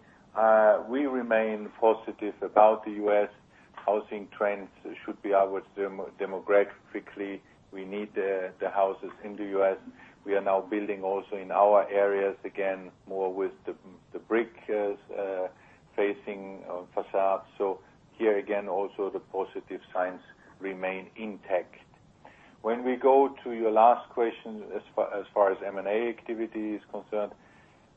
[SPEAKER 3] we remain positive about the U.S. housing trends should be outwards demographically. We need the houses in the U.S. We are now building also in our areas, again, more with the brick facing facades. Here again, also the positive signs remain intact. When we go to your last question, as far as M&A activity is concerned,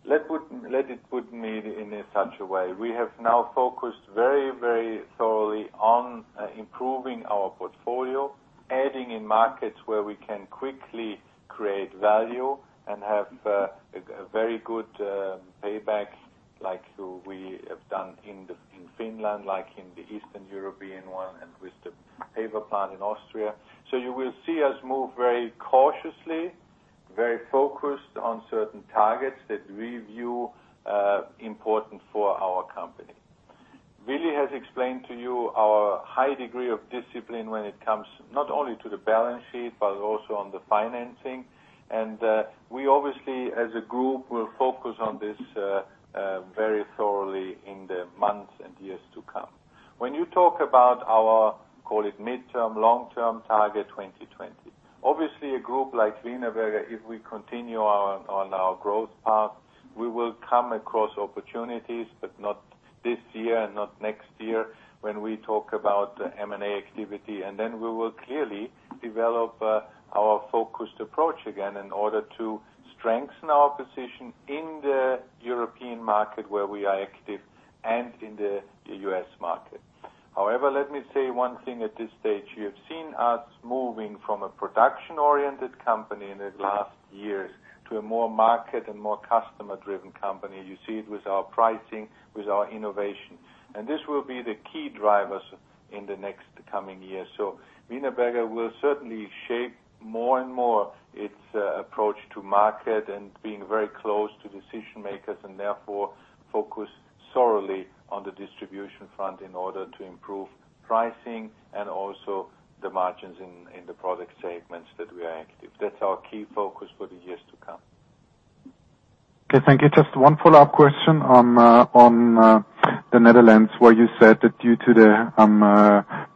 [SPEAKER 3] let it put me in such a way. We have now focused very thoroughly on improving our portfolio, adding in markets where we can quickly create value and have a very good payback like we have done in Finland, like in the Eastern European one, and with the paver plant in Austria. You will see us move very cautiously, very focused on certain targets that we view important for our company. Willy has explained to you our high degree of discipline when it comes not only to the balance sheet, but also on the financing. We obviously, as a group, will focus on this very thoroughly in the months and years to come. When you talk about our, call it midterm, long-term target 2020. Obviously, a group like Wienerberger, if we continue on our growth path, we will come across opportunities, but not this year and not next year when we talk about M&A activity, then we will clearly develop our focused approach again in order to strengthen our position in the European market where we are active and in the U.S. market. However, let me say one thing at this stage. You have seen us moving from a production-oriented company in the last years to a more market and more customer-driven company. You see it with our pricing, with our innovation. This will be the key drivers in the next coming years. Wienerberger will certainly shape more and more its approach to market and being very close to decision-makers and therefore focus thoroughly on the distribution front in order to improve pricing and also the margins in the product segments that we are active. That's our key focus for the years to come.
[SPEAKER 8] Okay, thank you. Just one follow-up question on the Netherlands, where you said that due to the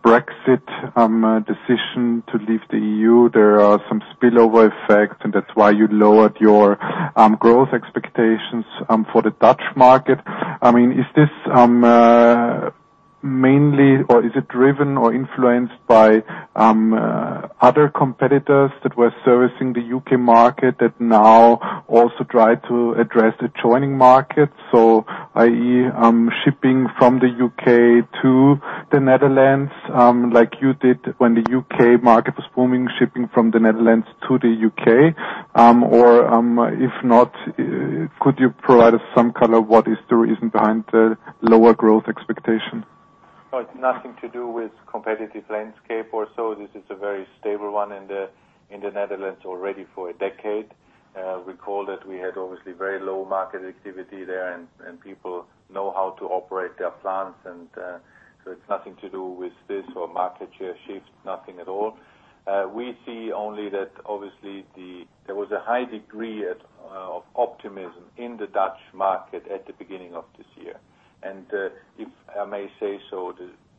[SPEAKER 8] Brexit decision to leave the EU, there are some spillover effects, and that's why you lowered your growth expectations for the Dutch market. Is this mainly, or is it driven or influenced by other competitors that were servicing the U.K. market that now also try to address the joining market? I.e., shipping from the U.K. to the Netherlands, like you did when the U.K. market was booming, shipping from the Netherlands to the U.K.? Or if not, could you provide us some color what is the reason behind the lower growth expectation?
[SPEAKER 5] Well, it's nothing to do with competitive landscape or so. This is a very stable one in the Netherlands already for a decade. Recall that we had obviously very low market activity there, and people know how to operate their plants, so it's nothing to do with this or market share shifts, nothing at all. We see only that obviously, there was a high degree of optimism in the Dutch market at the beginning of this year. If I may say so,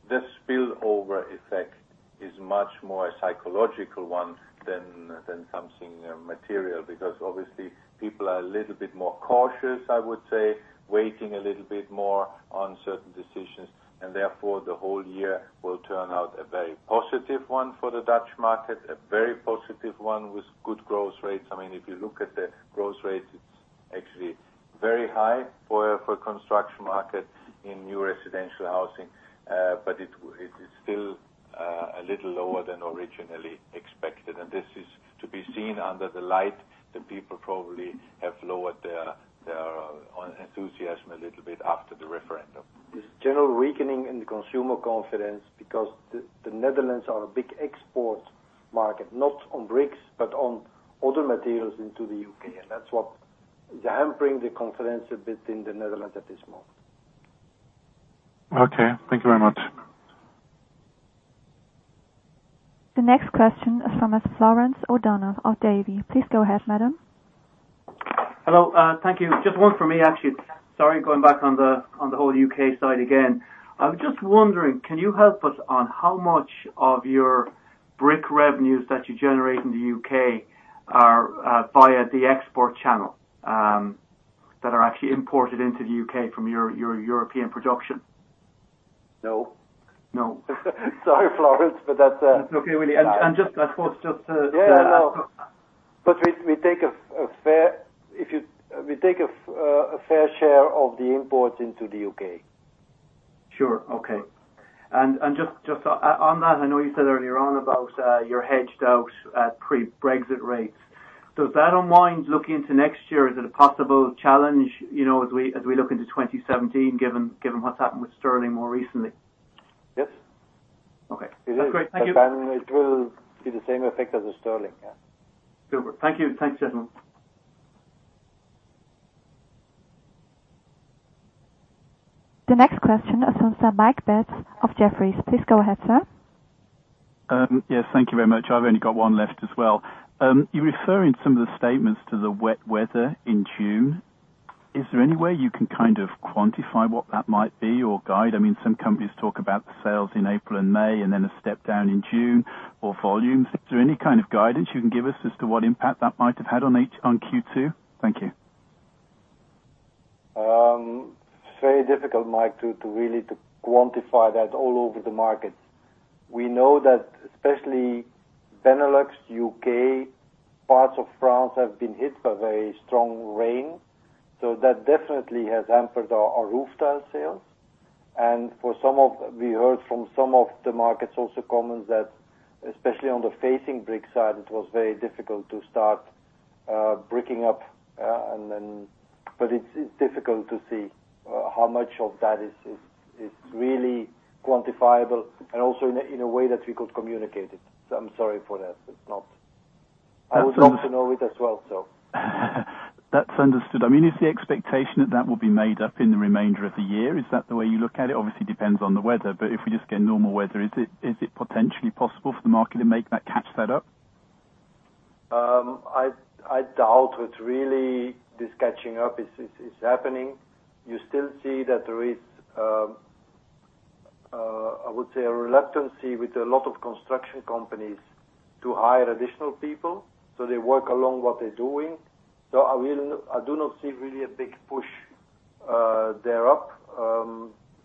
[SPEAKER 5] the spillover effect is much more a psychological one than something material. Obviously, people are a little bit more cautious, I would say, waiting a little bit more on certain decisions, and therefore, the whole year will turn out a very positive one for the Dutch market, a very positive one with good growth rates. If you look at the growth rates, it's actually very high for a construction market in new residential housing. It is still a little lower than originally expected, and this is to be seen under the light that people probably have lowered their enthusiasm a little bit after the referendum. This general weakening in the consumer confidence because the Netherlands are a big export market, not on bricks, but on other materials into the U.K., and that's what is hampering the confidence a bit in the Netherlands at this moment.
[SPEAKER 8] Okay. Thank you very much.
[SPEAKER 1] The next question is from Florence O'Donoghue of Davy. Please go ahead, madam.
[SPEAKER 9] Hello. Thank you. Just one from me, actually. Sorry, going back on the whole U.K. side again. I was just wondering, can you help us on how much of your brick revenues that you generate in the U.K. are via the export channel, that are actually imported into the U.K. from your European production?
[SPEAKER 5] No.
[SPEAKER 9] No.
[SPEAKER 5] Sorry, Florence, but that's-
[SPEAKER 9] That's okay, really. I suppose just.
[SPEAKER 5] Yeah. We take a fair share of the imports into the U.K.
[SPEAKER 9] Sure. Okay. Just on that, I know you said earlier on about you're hedged out at pre-Brexit rates. Does that unwind look into next year? Is it a possible challenge as we look into 2017, given what's happened with sterling more recently?
[SPEAKER 5] Yes.
[SPEAKER 9] Okay. That's great. Thank you.
[SPEAKER 5] It will be the same effect as the sterling, yeah.
[SPEAKER 9] Super. Thank you. Thanks, gentlemen.
[SPEAKER 1] The next question is from Sir Mike Betts of Jefferies. Please go ahead, sir.
[SPEAKER 10] Yes, thank you very much. I've only got one left as well. You refer in some of the statements to the wet weather in June. Is there any way you can kind of quantify what that might be or guide? Some companies talk about the sales in April and May and then a step down in June or volumes. Is there any kind of guidance you can give us as to what impact that might have had on Q2? Thank you.
[SPEAKER 5] Very difficult, Mike, to really quantify that all over the markets. We know that especially Benelux, U.K., parts of France have been hit by very strong rain, so that definitely has hampered our roof tile sales. We heard from some of the markets also comments that, especially on the facing brick side, it was very difficult to start bricking up. It's difficult to see how much of that is really quantifiable and also in a way that we could communicate it. I'm sorry for that. I would love to know it as well, so.
[SPEAKER 10] That's understood. Is the expectation that that will be made up in the remainder of the year? Is that the way you look at it? Obviously, it depends on the weather, but if we just get normal weather, is it potentially possible for the market to catch that up?
[SPEAKER 5] I doubt it, really. This catching up is happening. You still see that there is, I would say, a reluctance with a lot of construction companies to hire additional people, so they work along what they're doing. I do not see really a big push there up.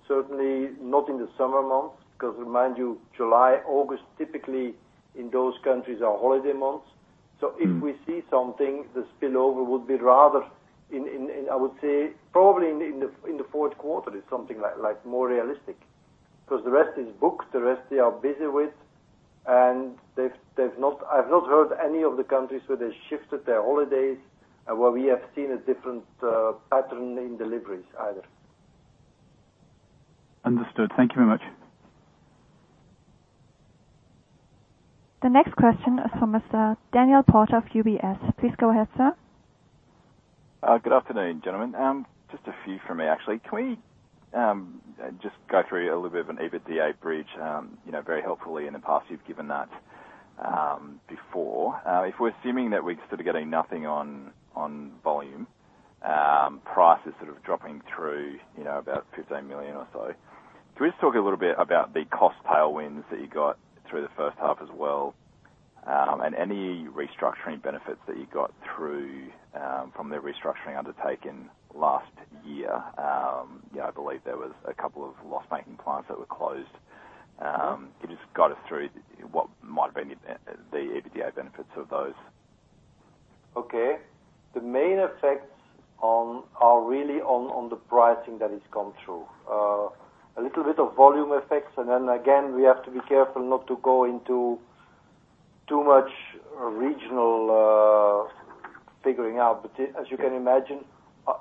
[SPEAKER 5] Certainly not in the summer months, because remind you, July, August, typically in those countries are holiday months. If we see something, the spillover would be rather in, I would say, probably in the fourth quarter is something more realistic. The rest is booked, the rest they are busy with, and I've not heard any of the countries where they shifted their holidays and where we have seen a different pattern in deliveries either.
[SPEAKER 10] Understood. Thank you very much.
[SPEAKER 1] The next question is from Mr. Daniel Porter of UBS. Please go ahead, sir.
[SPEAKER 11] Good afternoon, gentlemen. Just a few from me, actually. Can we just go through a little bit of an EBITDA bridge? Very helpfully in the past, you've given that before. If we're assuming that we're sort of getting nothing on volume, price is sort of dropping through about 15 million or so. Can we just talk a little bit about the cost tailwinds that you got through the first half as well, and any restructuring benefits that you got through from the restructuring undertaken last year? I believe there was a couple of loss-making plants that were closed. Can you just guide us through what might have been the EBITDA benefits of those?
[SPEAKER 5] Okay. The main effects are really on the pricing that has come through. A little bit of volume effects, and then again, we have to be careful not to go into too much regional figuring out. As you can imagine,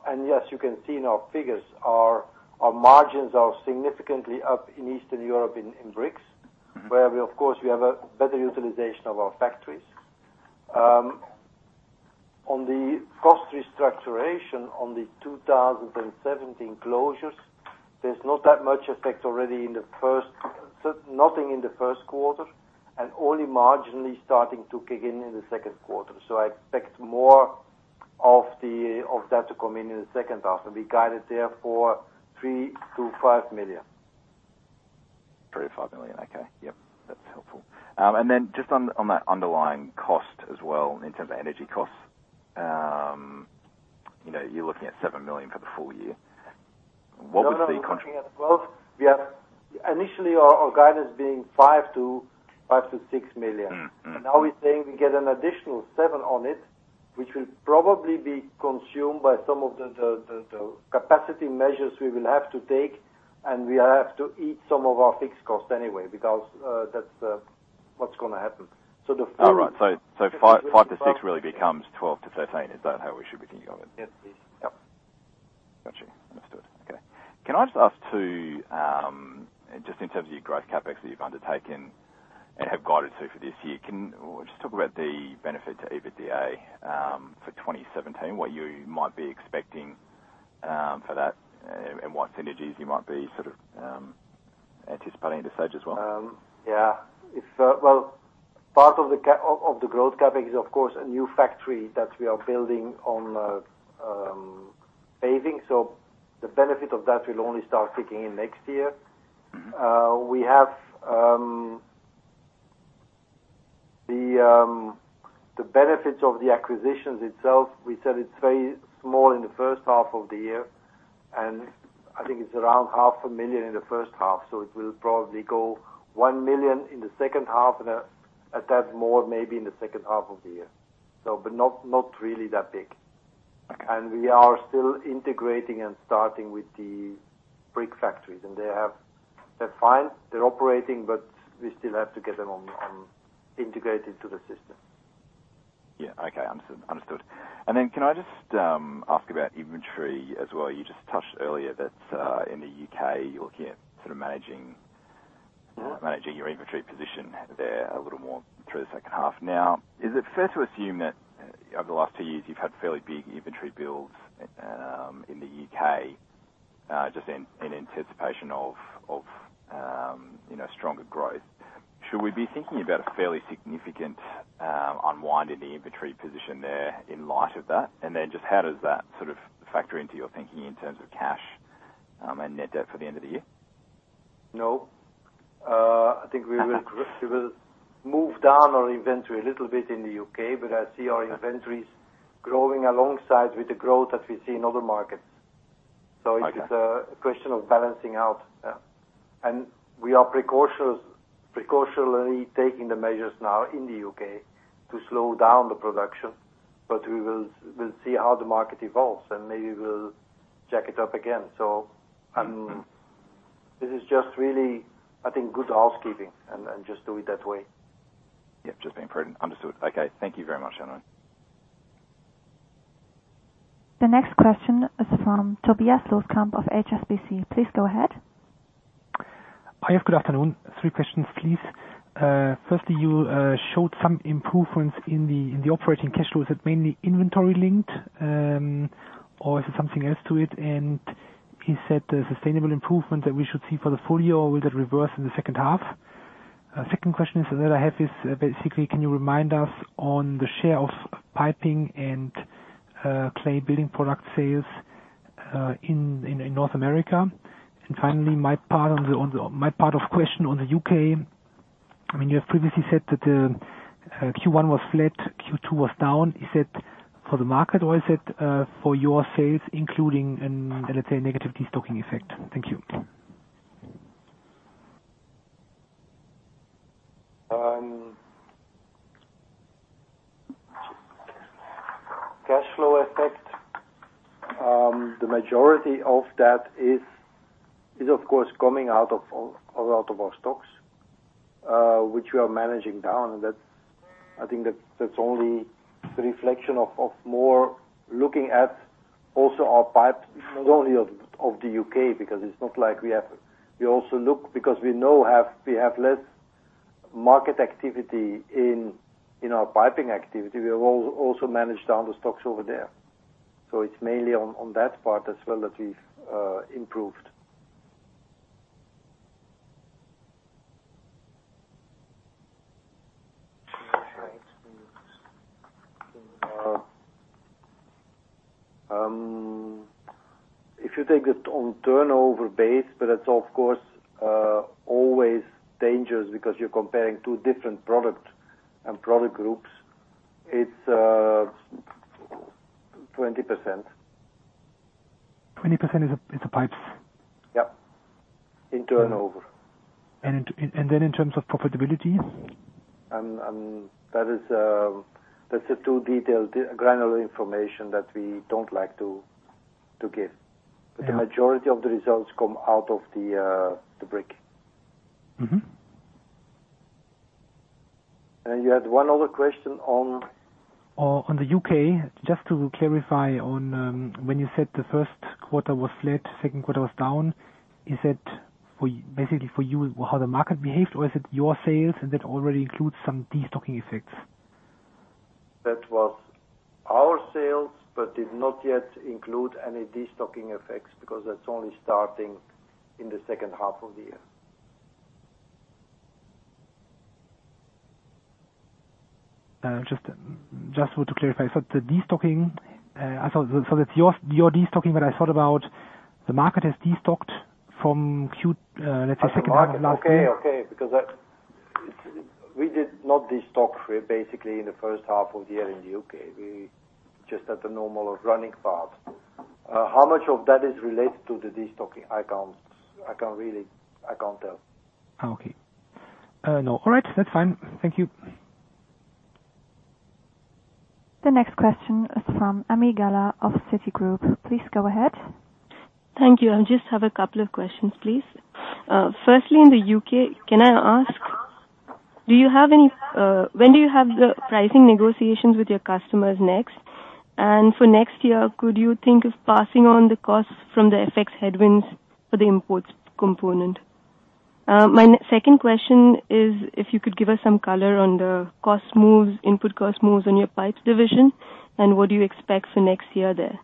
[SPEAKER 5] and yes, you can see in our figures, our margins are significantly up in Eastern Europe in bricks. Where of course we have a better utilization of our factories. On the cost restructuration on the 2017 closures, there's not that much effect already in the first quarter, and only marginally starting to kick in the second quarter. I expect more of that to come in in the second half, and we guided there for 3 million-5 million.
[SPEAKER 11] 3 million-5 million. Okay. Yep. That's helpful. Just on that underlying cost as well, in terms of energy costs, you're looking at 7 million for the full year. What was the
[SPEAKER 5] No, no. We're looking at 12 million. Initially, our guidance being 5 million-6 million. Now we're saying we get an additional 7 million on it, which will probably be consumed by some of the capacity measures we will have to take, and we have to eat some of our fixed cost anyway, because that's what's going to happen. The
[SPEAKER 11] All right. 5 million-6 million really becomes 12 million-13 million. Is that how we should be thinking of it?
[SPEAKER 5] Yes, please.
[SPEAKER 11] Yes. Got you. Understood. Okay. Can I just ask to, just in terms of your growth CapEx that you've undertaken and have guided to for this year, can we just talk about the benefit to EBITDA for 2017, what you might be expecting for that, and what synergies you might be sort of anticipating at this stage as well?
[SPEAKER 5] Yes. Part of the growth CapEx is, of course, a new factory that we are building on paving. The benefit of that will only start kicking in next year. The benefits of the acquisitions itself, we said it's very small in the first half of the year, and I think it's around half a million EUR in the first half. It will probably go one million EUR in the second half and a tad more maybe in the second half of the year. Not really that big.
[SPEAKER 11] Okay.
[SPEAKER 5] We are still integrating and starting with the brick factories and they're fine, they're operating, but we still have to get them integrated to the system.
[SPEAKER 11] Yeah. Okay. Understood. Can I just ask about inventory as well? You just touched earlier that in the U.K., you're looking at sort of managing-
[SPEAKER 5] Yeah
[SPEAKER 11] managing your inventory position there a little more through the second half. Now, is it fair to assume that over the last two years, you've had fairly big inventory builds in the U.K., just in anticipation of stronger growth? Should we be thinking about a fairly significant unwind in the inventory position there in light of that? Just how does that sort of factor into your thinking in terms of cash and net debt for the end of the year?
[SPEAKER 5] No. I think we move down our inventory a little bit in the U.K., but I see our inventories growing alongside with the growth that we see in other markets.
[SPEAKER 11] Okay.
[SPEAKER 5] It is a question of balancing out. Yeah. We are precautionary taking the measures now in the U.K. to slow down the production, but we'll see how the market evolves, and maybe we'll jack it up again. This is just really, I think, good housekeeping and just do it that way.
[SPEAKER 11] Yeah. Just being prudent. Understood. Okay. Thank you very much, Edwin.
[SPEAKER 1] The next question is from Tobias Loskamp of HSBC. Please go ahead.
[SPEAKER 12] Hi. Good afternoon. Three questions, please. Firstly, you showed some improvements in the operating cash flows. Is it mainly inventory linked, or is it something else to it? Is that a sustainable improvement that we should see for the full year, or will that reverse in the second half? Second question that I have is, basically, can you remind us on the share of piping and clay building product sales in North America? Finally, my part of question on the U.K., you have previously said that Q1 was flat, Q2 was down. Is it for the market or is it for your sales including, let's say, negative destocking effect? Thank you.
[SPEAKER 5] Cash flow effect. The majority of that is, of course, coming out of our stocks, which we are managing down. I think that's only a reflection of more looking at also our pipes, not only of the U.K., because it's not like we have We also look because we know we have less market activity in our piping activity. We have also managed down the stocks over there. It's mainly on that part as well that we've improved. If you take it on turnover base, it's of course always dangerous because you're comparing two different product and product groups. It's 20%.
[SPEAKER 12] 20% is the pipes?
[SPEAKER 5] Yep. In turnover.
[SPEAKER 12] Then in terms of profitability?
[SPEAKER 5] That's a too detailed granular information that we don't like to give.
[SPEAKER 12] Yeah.
[SPEAKER 5] The majority of the results come out of the brick.
[SPEAKER 3] You had one other question on.
[SPEAKER 12] On the U.K., just to clarify on when you said the first quarter was flat, second quarter was down, is that basically for you how the market behaved, or is it your sales and that already includes some destocking effects?
[SPEAKER 3] That was our sales, did not yet include any destocking effects because that's only starting in the second half of the year.
[SPEAKER 12] Just want to clarify. That's your destocking, I thought about the market has destocked from, let's say, second half of last year.
[SPEAKER 3] Okay. We did not destock basically in the first half of the year in the U.K. We just had the normal running path. How much of that is related to the destocking? I can't tell.
[SPEAKER 12] Okay. All right, that's fine. Thank you.
[SPEAKER 1] The next question is from Ami Galla of Citigroup. Please go ahead.
[SPEAKER 13] Thank you. I just have a couple of questions, please. Firstly, in the U.K., can I ask, when do you have the pricing negotiations with your customers next? For next year, could you think of passing on the costs from the FX headwinds for the imports component? My second question is if you could give us some color on the input cost moves on your pipes division, what do you expect for next year there?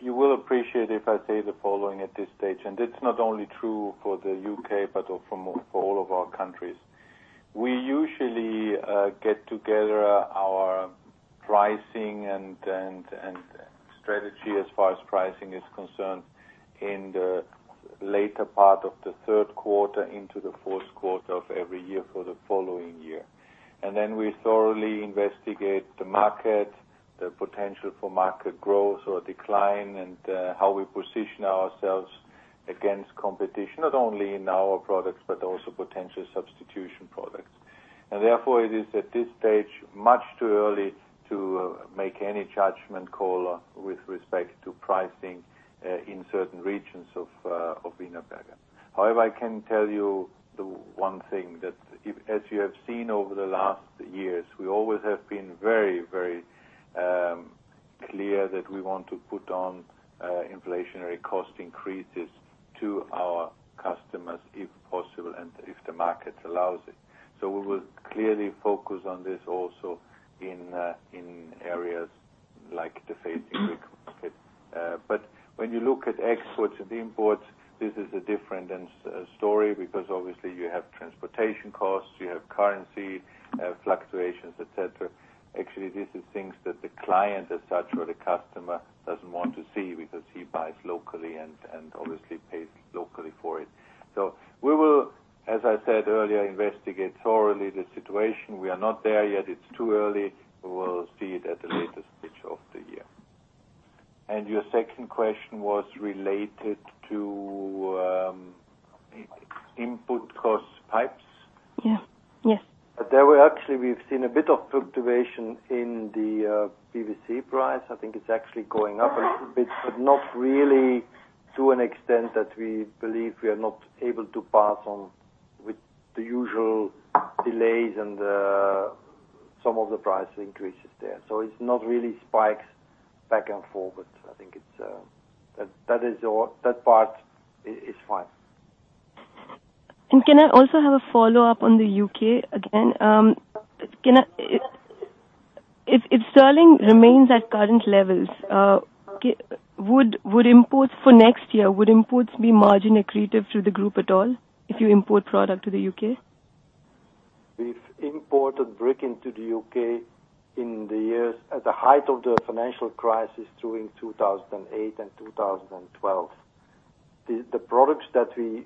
[SPEAKER 3] You will appreciate if I say the following at this stage, it's not only true for the U.K., but for all of our countries. We usually get together our pricing and strategy as far as pricing is concerned in the later part of the third quarter into the fourth quarter of every year for the following year. Then we thoroughly investigate the market, the potential for market growth or decline, and how we position ourselves against competition, not only in our products, but also potential substitution products. Therefore it is at this stage much too early to make any judgment call with respect to pricing in certain regions of Wienerberger. I can tell you the one thing that, as you have seen over the last years, we always have been very clear that we want to put on inflationary cost increases to our customers if possible and if the market allows it. We will clearly focus on this also in areas like the facing brick market. When you look at exports and imports, this is a different story because obviously you have transportation costs, you have currency fluctuations, et cetera. Actually, these are things that the client as such, or the customer doesn't want to see because he buys locally and obviously pays locally for it. We will, as I said earlier, investigate thoroughly the situation. We are not there yet. It's too early. We will see it at the latest pitch of the year. Your second question was related to input cost pipes?
[SPEAKER 13] Yes.
[SPEAKER 3] There actually, we've seen a bit of fluctuation in the PVC price. I think it's actually going up a little bit, but not really to an extent that we believe we are not able to pass on with the usual delays and some of the price increases there. It's not really spikes back and forth, but I think that part is fine.
[SPEAKER 13] Can I also have a follow-up on the U.K. again? If sterling remains at current levels, for next year, would imports be margin accretive to the group at all if you import product to the U.K.?
[SPEAKER 5] We've imported brick into the U.K. in the years at the height of the financial crisis during 2008 and 2012. The products that we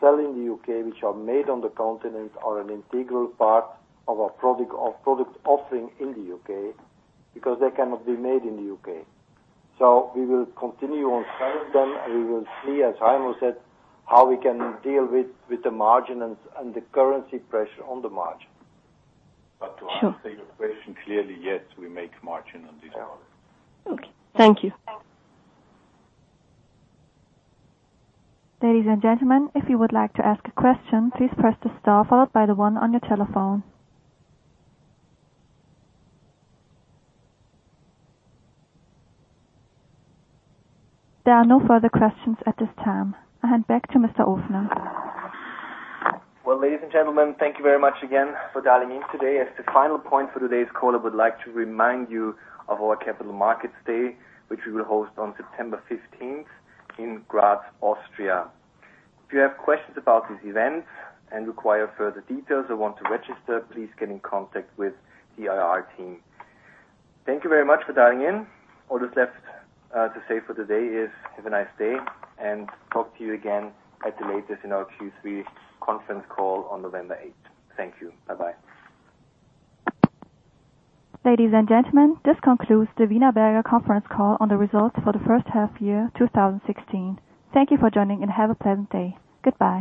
[SPEAKER 5] sell in the U.K., which are made on the continent, are an integral part of our product offering in the U.K. because they cannot be made in the U.K. We will continue on selling them, and we will see, as Heimo said, how we can deal with the margin and the currency pressure on the margin.
[SPEAKER 3] To answer your question clearly, yes, we make margin on these products.
[SPEAKER 13] Okay. Thank you.
[SPEAKER 1] Ladies and gentlemen, if you would like to ask a question, please press the star followed by the one on your telephone. There are no further questions at this time. I hand back to Mr. Ofner.
[SPEAKER 2] Well, ladies and gentlemen, thank you very much again for dialing in today. As the final point for today's call, I would like to remind you of our Capital Markets Day, which we will host on September 15th in Graz, Austria. If you have questions about this event and require further details or want to register, please get in contact with the IR team. Thank you very much for dialing in. All that's left to say for today is have a nice day and talk to you again at the latest in our Q3 conference call on November 8th. Thank you. Bye-bye.
[SPEAKER 1] Ladies and gentlemen, this concludes the Wienerberger conference call on the results for the first half year 2016. Thank you for joining and have a pleasant day. Goodbye.